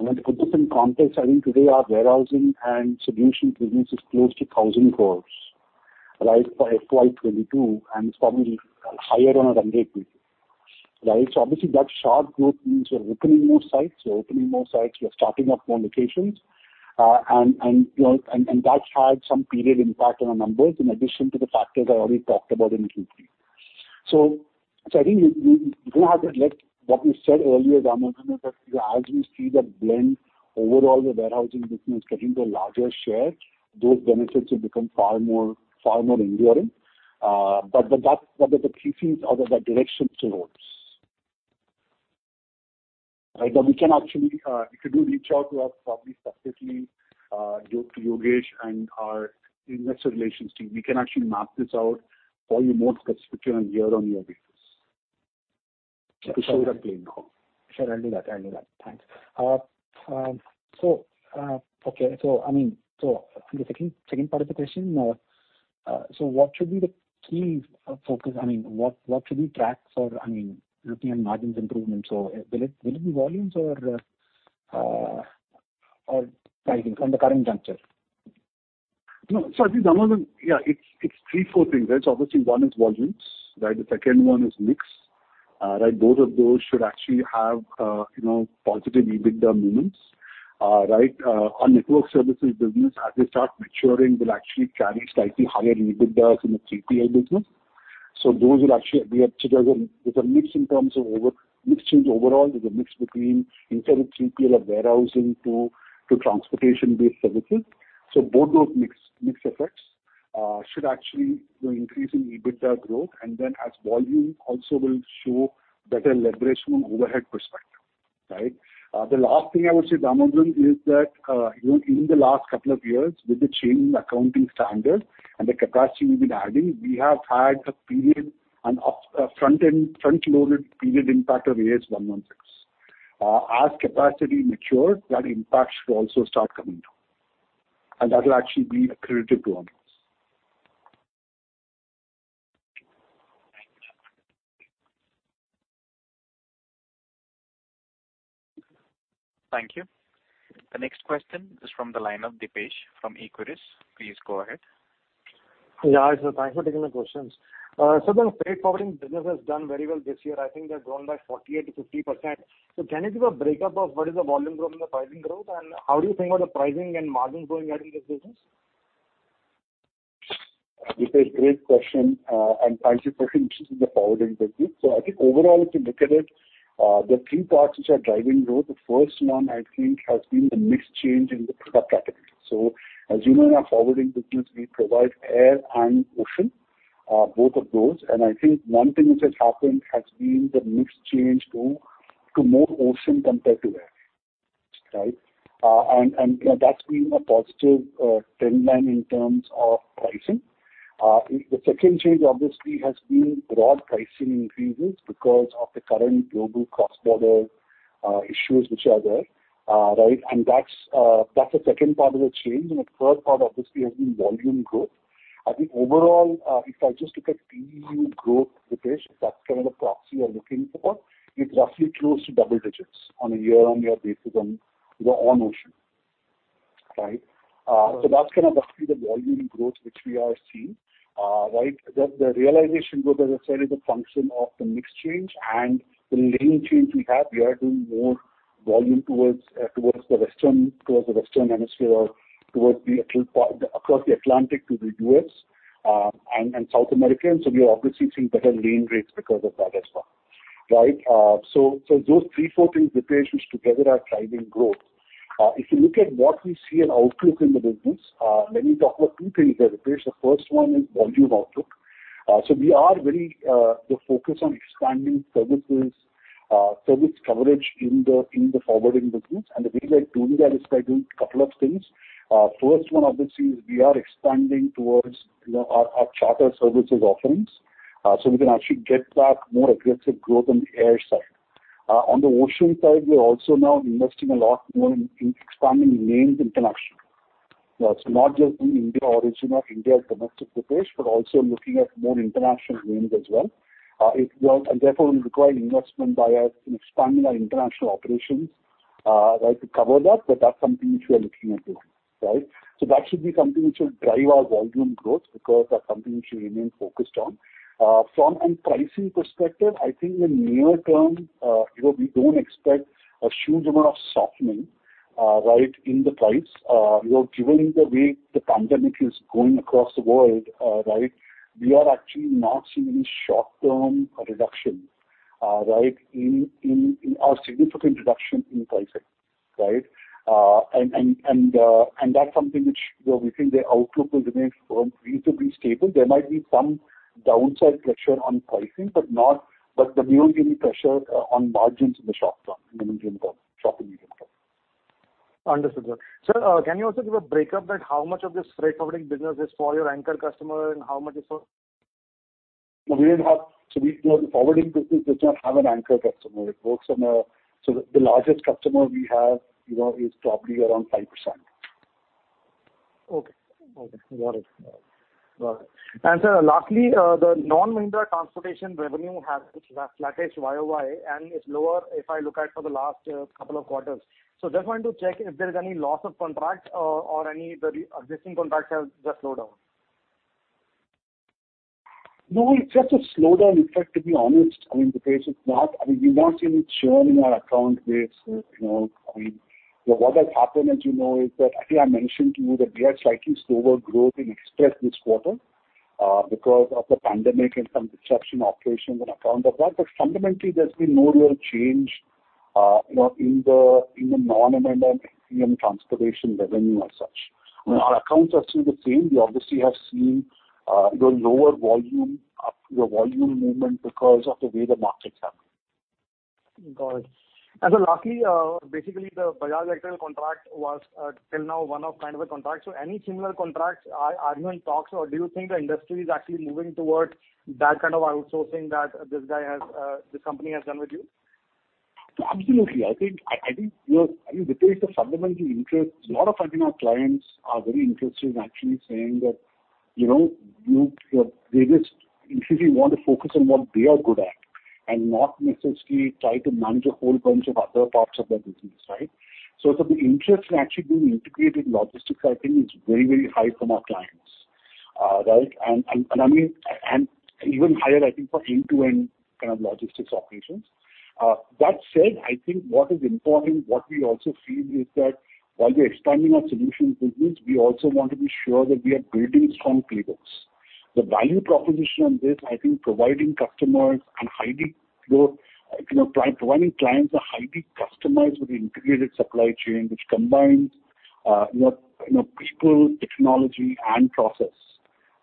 Speaker 3: To put this in context, I think today our warehousing and solutions business is close to 1,000 crore, right? For FY 2022, and it's probably higher on a run rate basis, right? Obviously that sharp growth means you're opening more sites. You're opening more sites, you're starting up more locations. You know that's had some period impact on our numbers in addition to the factors I already talked about in Q3. I think we're gonna have to let what we said earlier, Damodaran, is that as we see the blend overall, the warehousing business getting to a larger share, those benefits will become far more enduring. That's what are the key things or the direction to those. Right. We can actually if you do reach out to us probably specifically to Yogesh and our investor relations team, we can actually map this out for you more specifically on a year-on-year basis. To show the plan now.
Speaker 8: Sure, I'll do that. Thanks. I mean, I think the second part of the question, what should be the key focus. I mean, what should we track for, I mean, looking at margins improvement? Will it be volumes or pricing on the current juncture?
Speaker 3: No. I think, Damodaran, yeah, it's three, four things, right? Obviously one is volumes, right? The second one is mix, right? Both of those should actually have, you know, positive EBITDA movements, right? Our network services business, as they start maturing, will actually carry slightly higher EBITDAs in the 3PL business. Those will actually be as a mix in terms of overall mix change is a mix between instead of 3PL or warehousing to transportation-based services. Both those mix effects should actually, you know, increase in EBITDA growth, and then as volume also will show better leverage from an overhead perspective, right? The last thing I would say, Damodaran, is that, you know, in the last couple of years with the change in accounting standard and the capacity we've been adding, we have had a period, an upfront, front-loaded period impact of Ind AS 116. As capacity matures, that impact should also start coming down, and that will actually be accretive to our numbers.
Speaker 8: Thank you.
Speaker 1: Thank you. The next question is from the line of Dipesh from Equirus. Please go ahead.
Speaker 9: Thanks for taking my questions. The freight forwarding business has done very well this year. I think they've grown by 48%-50%. Can you give a breakdown of what is the volume growth and the pricing growth, and how do you think about the pricing and margins going ahead in this business?
Speaker 3: Dipesh, great question. And thanks for your question. This is the forwarding business. I think overall, if you look at it, there are three parts which are driving growth. The first one I think has been the mix change in the product category. As you know, in our forwarding business we provide air and ocean, both of those. I think one thing which has happened has been the mix change to more ocean compared to air, right? And that's been a positive trend line in terms of pricing. The second change obviously has been raw pricing increases because of the current global cross-border issues which are there, right? That's the second part of the change. The third part obviously has been volume growth. I think overall, if I just look at TEU growth, Dipesh, if that's the kind of a proxy you're looking for, it's roughly close to double digits on a year-on-year basis on ocean, right? So that's kind of roughly the volume growth which we are seeing, right? The realization growth, as I said, is a function of the mix change and the lane change we have. We are doing more volume towards the western hemisphere or across the Atlantic to the US, and South America. We are obviously seeing better lane rates because of that as well, right? So those three, four things, Dipesh, which together are driving growth. If you look at what we see in outlook in the business, let me talk about two things there, Dipesh. The first one is volume outlook. We are very focused on expanding services, service coverage in the forwarding business. The way we are doing that is by doing couple of things. First one, obviously, is we are expanding towards our charter services offerings, so we can actually get that more aggressive growth on the air side. On the ocean side, we are also now investing a lot more in expanding lanes internationally. Not just in India origin or India domestic location, but also looking at more international lanes as well. Therefore will require investment by us in expanding our international operations, right, to cover that, but that's something which we are looking into, right? That should be something which will drive our volume growth because that's something we should remain focused on. From a pricing perspective, I think in near term, you know, we don't expect a huge amount of softening, right, in the price. You know, given the way the pandemic is going across the world, right, we are actually not seeing any short-term reductions, right, or significant reduction in pricing, right? And that's something which, you know, we think the outlook will remain, reasonably stable. There might be some downside pressure on pricing, but that won't give any pressure, on margins in the short term, in the medium term, short to medium term.
Speaker 10: Understood, sir. Sir, can you also give a breakup of how much of this freight forwarding business is for your anchor customer and how much is for-
Speaker 3: We, you know, the forwarding business does not have an anchor customer. The largest customer we have, you know, is probably around 5%.
Speaker 10: Okay. Got it. Sir, lastly, the non-Mahindra transportation revenue has flat-ish YOY and is lower if I look at for the last couple of quarters. Just wanted to check if there is any loss of contracts or any of the existing contracts have just slowed down.
Speaker 3: No, it's just a slowdown. In fact, to be honest, I mean, the case is not. I mean, we've not seen it showing in our account base, you know. I mean, what has happened, as you know, is that, I think I mentioned to you that we had slightly slower growth in Express this quarter, because of the pandemic and some disruptions in operations on account of that. Fundamentally, there's been no real change, you know, in the non-Mahindra transportation revenue as such. I mean, our accounts are still the same. We obviously have seen, you know, lower volume, you know, volume movement because of the way the market's happening.
Speaker 10: Got it. Sir, lastly, basically the Bajaj Electricals contract was, till now one of kind of a contract. Any similar contracts are you in talks or do you think the industry is actually moving towards that kind of outsourcing that this guy has, this company has done with you?
Speaker 3: Absolutely. I think you know, I mean, there is a fundamental interest. A lot of our clients are very interested in actually saying that, you know, they just increasingly want to focus on what they are good at and not necessarily try to manage a whole bunch of other parts of their business, right? So the interest in actually being integrated in logistics, I think is very, very high from our clients, right? I mean, even higher I think for end-to-end kind of logistics operations. That said, I think what is important, what we also feel is that while we are expanding our solutions business, we also want to be sure that we are building strong playbooks. The value proposition on this, I think providing clients a highly customized with integrated supply chain which combines people, technology and process,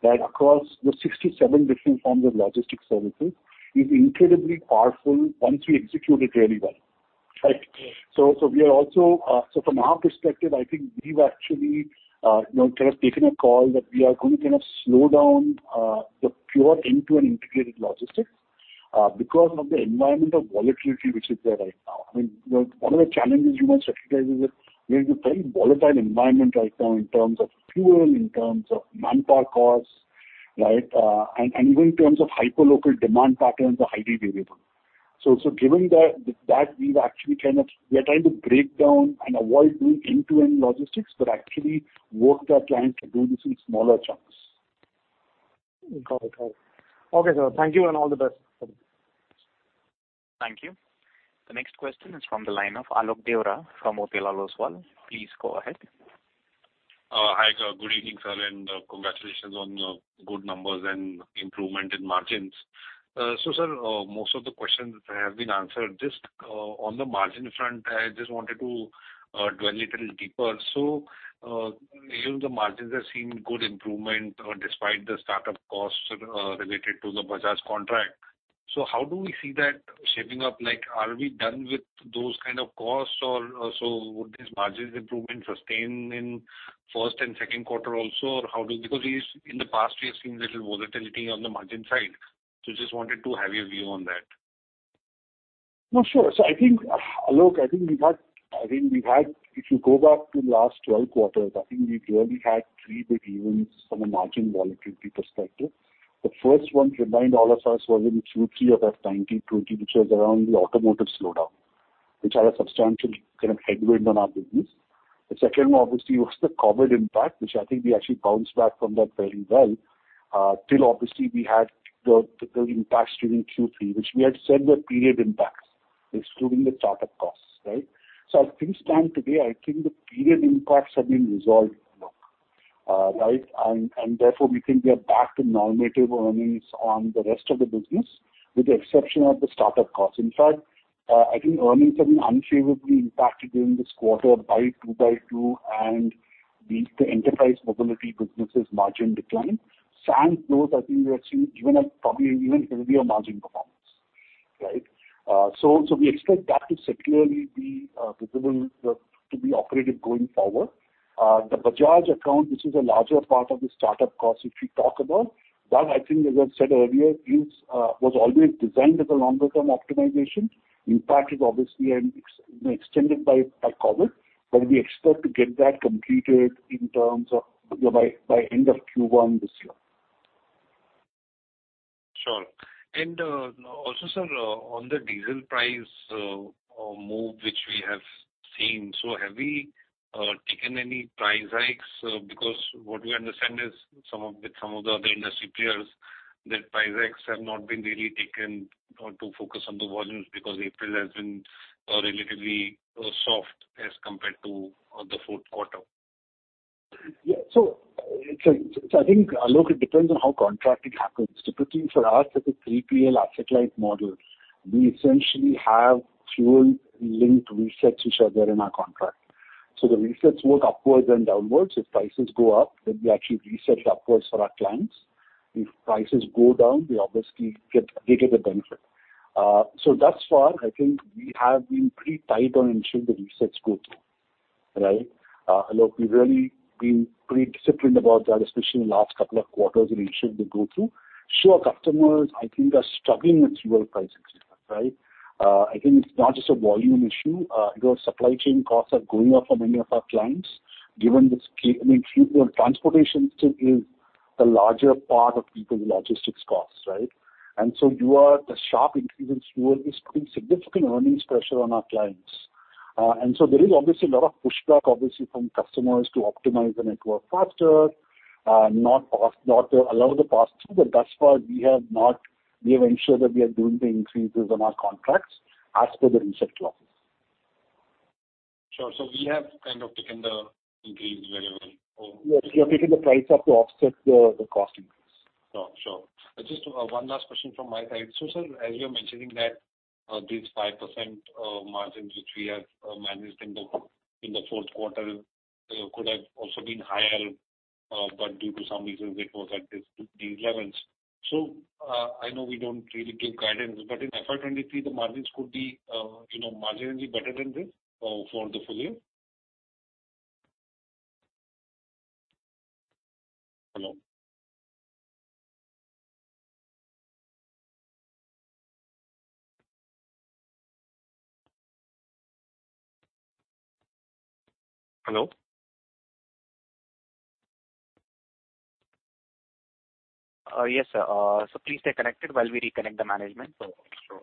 Speaker 3: right, across the 67 different forms of logistics services is incredibly powerful once we execute it really well. Right? From our perspective, I think we've actually, you know, kind of taken a call that we are going to kind of slow down the pure end-to-end integrated logistics because of the environment of volatility which is there right now. I mean, you know, one of the challenges you must recognize is that we're in a very volatile environment right now in terms of fuel, in terms of manpower costs, right? Even in terms of hyperlocal demand patterns are highly variable. We are trying to break down and avoid doing end-to-end logistics, but actually work with our clients to do this in smaller chunks.
Speaker 10: Got it. Got it. Okay, sir. Thank you and all the best.
Speaker 3: Thank you.
Speaker 1: The next question is from the line of Alok Deora from Motilal Oswal. Please go ahead.
Speaker 11: Hi. Good evening, sir, and congratulations on good numbers and improvement in margins. Sir, most of the questions have been answered. Just on the margin front, I just wanted to dwell a little deeper. You know, the margins have seen good improvement despite the start-up costs related to the Bajaj contract. How do we see that shaping up? Like, are we done with those kind of costs or would these margins improvement sustain in first and second quarter also? Because we, in the past, have seen little volatility on the margin side. Just wanted to have your view on that. No, sure. I think, Alok, we've had...
Speaker 3: If you go back to last 12 quarters, I think we've really had 3 big events from a margin volatility perspective. The first one to remind all of us was in Q3 of FY 2019-20, which was around the automotive slowdown, which had a substantial kind of headwind on our business. The second one, obviously, was the COVID impact, which I think we actually bounced back from that very well. Till obviously we had the impact during Q3, which we had said were period impacts, excluding the start-up costs, right? As things stand today, I think the period impacts have been resolved, Alok, right? And therefore we think we are back to normative earnings on the rest of the business, with the exception of the start-up costs. In fact, I think earnings have been unfavorably impacted during this quarter by 2x2 and the enterprise mobility business' margin decline. Sans those, I think we have seen given a probably even heavier margin performance. We expect that to secularly be capable to be operative going forward. The Bajaj account, this is a larger part of the start-up costs if we talk about. That I think, as I've said earlier, was always designed as a longer-term optimization. Impact is obviously extended by COVID. We expect to get that completed in terms of by end of Q1 this year.
Speaker 11: Sure. Also, sir, on the diesel price move which we have seen, so have we taken any price hikes? Because what we understand is some of the other industry peers that price hikes have not been really taken to focus on the volumes because April has been relatively soft as compared to the fourth quarter.
Speaker 3: I think, Alok, it depends on how contracting happens. Typically, for us as a 3PL asset-light model, we essentially have fuel-linked resets which are there in our contract. The resets work upwards and downwards. If prices go up, then we actually reset upwards for our clients. If prices go down, we obviously get the benefit. Thus far I think we have been pretty tight on ensuring the resets go through, right? Alok, we've really been pretty disciplined about that, especially in the last couple of quarters to ensure they go through. Sure, customers I think are struggling with fuel prices, right? I think it's not just a volume issue. You know, supply chain costs are going up for many of our clients given this fuel. You know, transportation still is the larger part of people's logistics costs, right? The sharp increase in fuel is putting significant earnings pressure on our clients. There is obviously a lot of pushback, obviously, from customers to optimize the network faster, not allow the pass through. Thus far we have ensured that we are doing the increases on our contracts as per the reset clauses.
Speaker 11: Sure. We have kind of taken the increase very well.
Speaker 3: Yes. We have taken the price up to offset the cost increase.
Speaker 11: Sure, sure. Just one last question from my side. Sir, as you're mentioning that this 5% margins which we have managed in the fourth quarter could have also been higher, but due to some reasons it was at this, these levels. I know we don't really give guidance, but in FY 2023 the margins could be, you know, marginally better than this for the full year? Hello? Hello?
Speaker 1: Yes, sir. Please stay connected while we reconnect the management for sure.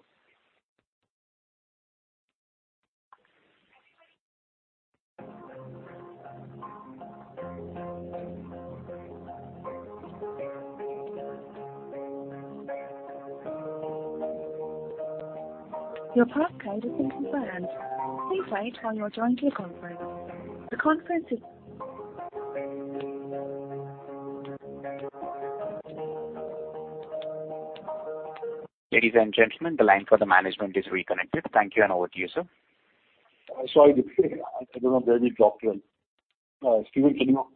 Speaker 1: Your pass code has been confirmed. Please wait while you're joined to the conference. Ladies and gentlemen, the line for the management is reconnected. Thank you, and over to you, sir.
Speaker 3: Sorry, Deepak. I don't know where we dropped to. Steven, can you?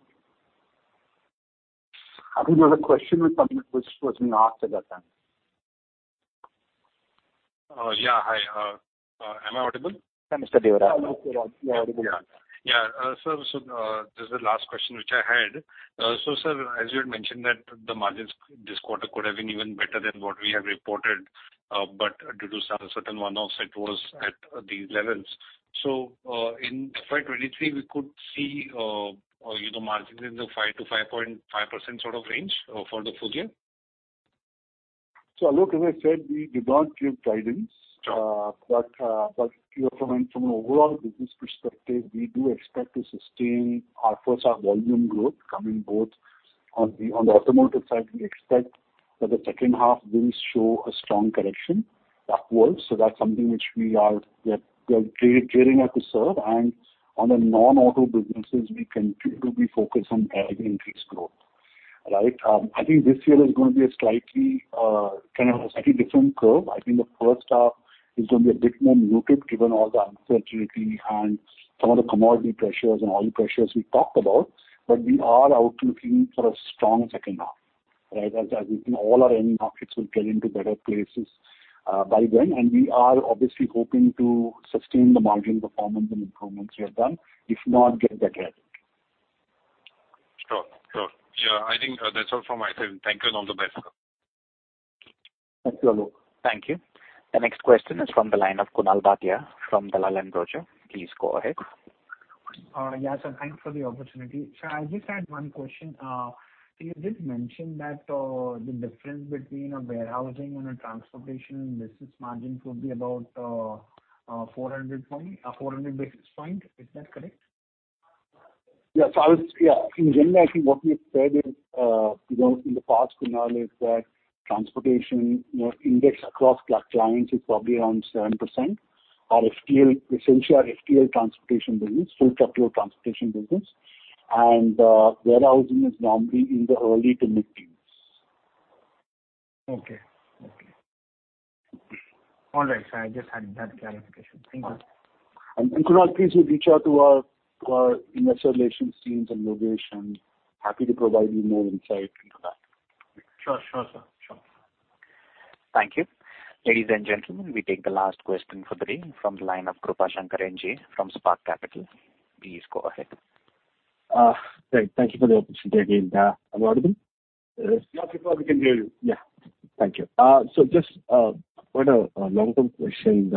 Speaker 3: I think there was a question which wasn't asked at that time.
Speaker 11: Yeah. Hi, am I audible?
Speaker 1: Yes, Mr. Deora.
Speaker 3: Hello, Mr. Deora. You're audible now.
Speaker 11: Sir, this is the last question which I had. Sir, as you had mentioned that the margins this quarter could have been even better than what we have reported, but due to some certain one-offs it was at these levels. In FY 2023 we could see, you know, margins in the 5%-5.5% sort of range for the full year?
Speaker 3: Alok Deora, as I said, we do not give guidance.
Speaker 11: Sure.
Speaker 3: You know, from an overall business perspective, we do expect to sustain our first half volume growth coming both on the automotive side. We expect that the second half will show a strong correction upwards. That's something which we are gearing up to serve. On the non-auto businesses we continue to be focused on aggregate increased growth, right? I think this year is gonna be a slightly kind of a slightly different curve. I think the first half is gonna be a bit more muted given all the uncertainty and some of the commodity pressures and oil pressures we talked about. We are out looking for a strong second half, right? As we think all our end markets will get into better places by then. We are obviously hoping to sustain the margin performance and improvements we have done. If not get better.
Speaker 11: Sure. Sure. Yeah, I think, that's all from my side. Thank you and all the best.
Speaker 1: Thank you, Alok. Thank you. The next question is from the line of Kunal Bhatia from Dalal & Broacha. Please go ahead.
Speaker 12: Yeah, sir. Thanks for the opportunity. Sir, I just had one question. You did mention that the difference between a warehousing and a transportation business margins would be about 400 basis points. Is that correct?
Speaker 3: In general, I think what we have said is, in the past, Kunal, is that transportation index across clients is probably around 7%. Our FTL, essentially our FTL transportation business, full truckload transportation business, and warehousing is normally in the early- to mid-teens.
Speaker 12: Okay. All right, sir. I just had that clarification. Thank you.
Speaker 3: Kunal, please do reach out to our investor relations teams and Logistix. Happy to provide you more insight into that. Sure, sir. Sure.
Speaker 1: Thank you. Ladies and gentlemen, we take the last question for the day from the line of Krupashankar NJ from Spark Capital. Please go ahead.
Speaker 7: Great. Thank you for the opportunity. Am I audible?
Speaker 3: Yes. Loud and clear. We can hear you.
Speaker 7: Yeah. Thank you. Just quite a long-term question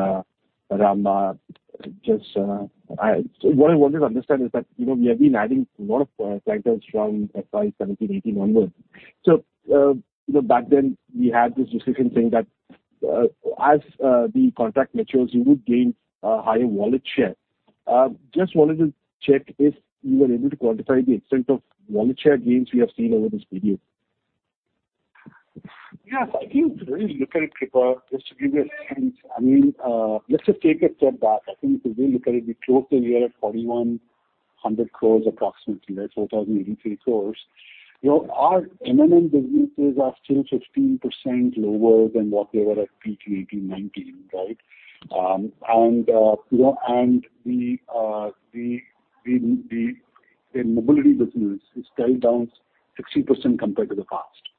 Speaker 7: around just what I wanted to understand is that, you know, we have been adding a lot of titles from FY17, 18 onwards. You know, back then, we had this discussion saying that, as the contract matures, you would gain a higher wallet share. Just wanted to check if you were able to quantify the extent of wallet share gains we have seen over this period.
Speaker 3: Yes, I think if you really look at it, Krupa, just to give you a sense, I mean, let's just take a step back. I think if you really look at it, we closed the year at 4,100 crores approximately, right? 4,083 crores. You know, our M&M businesses are still 15% lower than what they were at peak 2018-19, right? You know, the mobility business is still down 60% compared to the past,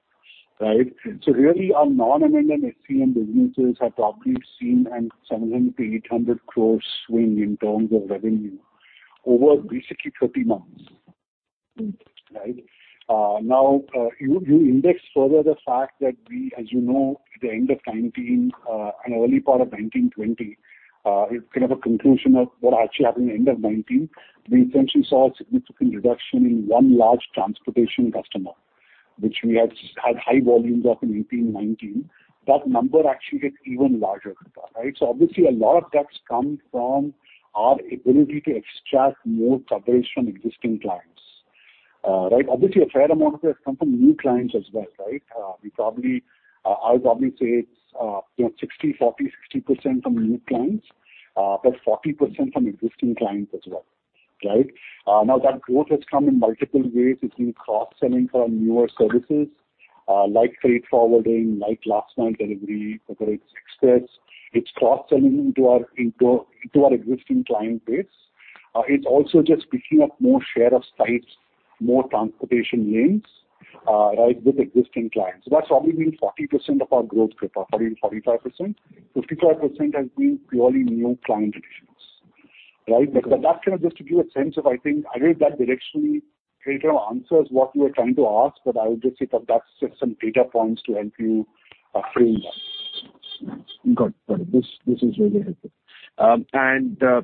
Speaker 3: right? Really, our non-M&M HCM businesses have probably seen a 700 to 800 crores swing in terms of revenue over basically 30 months. Right? Now, you indexed further the fact that we, as you know, at the end of 2019 and early part of 2019-20, it's kind of a conclusion of what actually happened at the end of 2019. We essentially saw a significant reduction in one large transportation customer, which we had high volumes of in 2018, 2019. That number actually gets even larger than that, right? Obviously, a lot of that's come from our ability to extract more coverage from existing clients. Right? Obviously, a fair amount of it has come from new clients as well, right? We probably, I would probably say it's, you know, 60, 40, 60% from new clients, but 40% from existing clients as well, right? Now that growth has come in multiple ways. It's been cross-selling from newer services, like freight forwarding, like last mile delivery, whether it's express. It's cross-selling into our existing client base. It's also just picking up more share of sites, more transportation lanes, right, with existing clients. That's probably been 40% of our growth, Krupashankar, 45%. 55% has been purely new client additions, right? That's kind of just to give you a sense of, I think I hope that directionally kind of answers what you are trying to ask, but I would just say that that's just some data points to help you frame that.
Speaker 7: This is really helpful.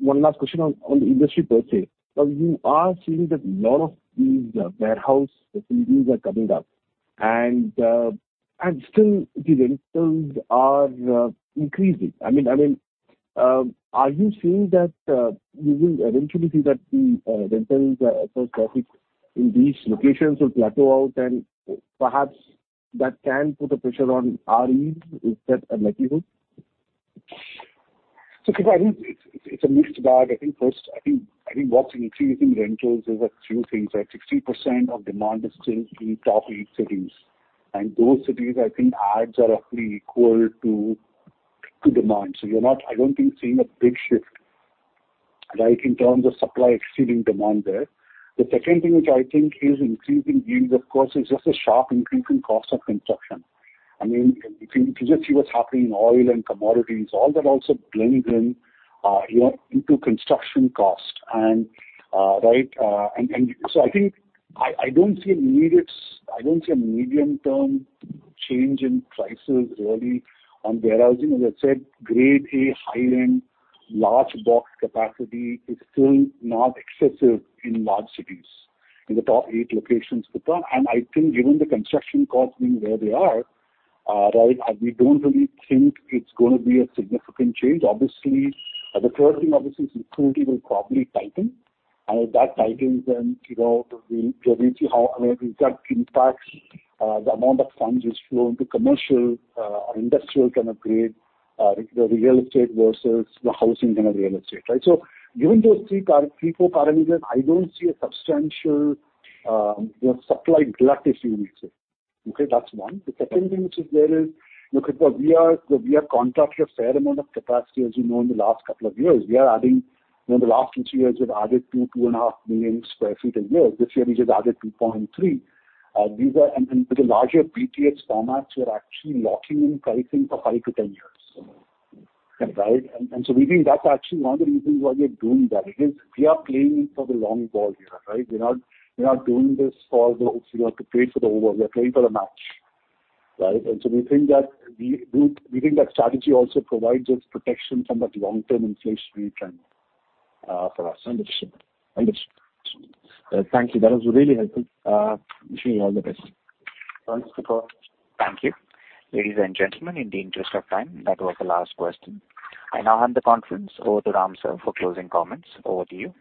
Speaker 7: One last question on the industry per se. You are seeing that a lot of these warehouse facilities are coming up. Still the rentals are increasing. I mean, are you seeing that you will eventually see that the rentals across topics in these locations will plateau out and perhaps that can put a pressure on RE? Is that a likelihood?
Speaker 3: Krupashankar, I think it's a mixed bag. I think first, what's increasing rentals is a few things, right? 60% of demand is still in top eight cities. Those cities, I think additions are roughly equal to demand. You're not seeing a big shift, right, in terms of supply exceeding demand there. The second thing which I think is increasing yields, of course, is just a sharp increase in cost of construction. I mean, if you just see what's happening in oil and commodities, all that also blends in into construction cost. So I think I don't see an immediate change. I don't see a medium-term change in prices really on warehousing. As I said, grade A, high-end, large box capacity is still not excessive in large cities, in the top eight locations, Krupashankar. I think given the construction costs being where they are, right, we don't really think it's gonna be a significant change. Obviously, the third thing obviously is liquidity will probably tighten. If that tightens, then, you know, we'll really see how, you know, that impacts the amount of funds which flow into commercial or industrial kind of grade the real estate versus the housing kind of real estate, right? Given those three, four parameters, I don't see a substantial, you know, supply glut, if you will, say. Okay, that's one. The second thing which is there is, look, Krupashankar, we have contracted a fair amount of capacity, as you know, in the last couple of years. You know, in the last two, three years, we've added 2.5 million sq ft a year. This year, we just added 2.3 million sq ft. These are, with the larger BTS formats, we're actually locking in pricing for 5-10 years. Right? We think that's actually one of the reasons why we are doing that. It is we are playing for the long ball here, right? We're not doing this for the, you know, to play for the over. We are playing for the match. Right? We think that strategy also provides us protection from that long-term inflationary trend for us.
Speaker 7: Understood. Thank you. That was really helpful. Wish you all the best.
Speaker 3: Thanks, Krupashankar.
Speaker 1: Thank you. Ladies and gentlemen, in the interest of time, that was the last question. I now hand the conference over to Ram sir for closing comments. Over to you.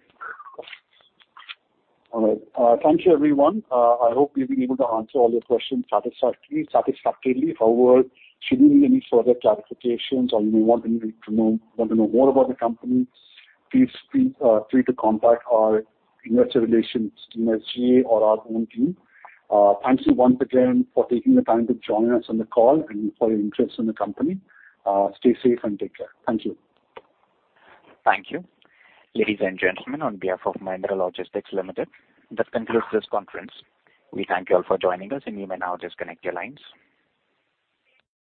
Speaker 3: All right. Thank you, everyone. I hope we've been able to answer all your questions satisfactorily. However, should you need any further clarifications or you may want to know more about the company, please feel free to contact our investor relations team at SGA or our own team. Thank you once again for taking the time to join us on the call and for your interest in the company. Stay safe and take care. Thank you.
Speaker 1: Thank you. Ladies and gentlemen, on behalf of Mahindra Logistics Limited, this concludes this conference. We thank you all for joining us, and you may now disconnect your lines.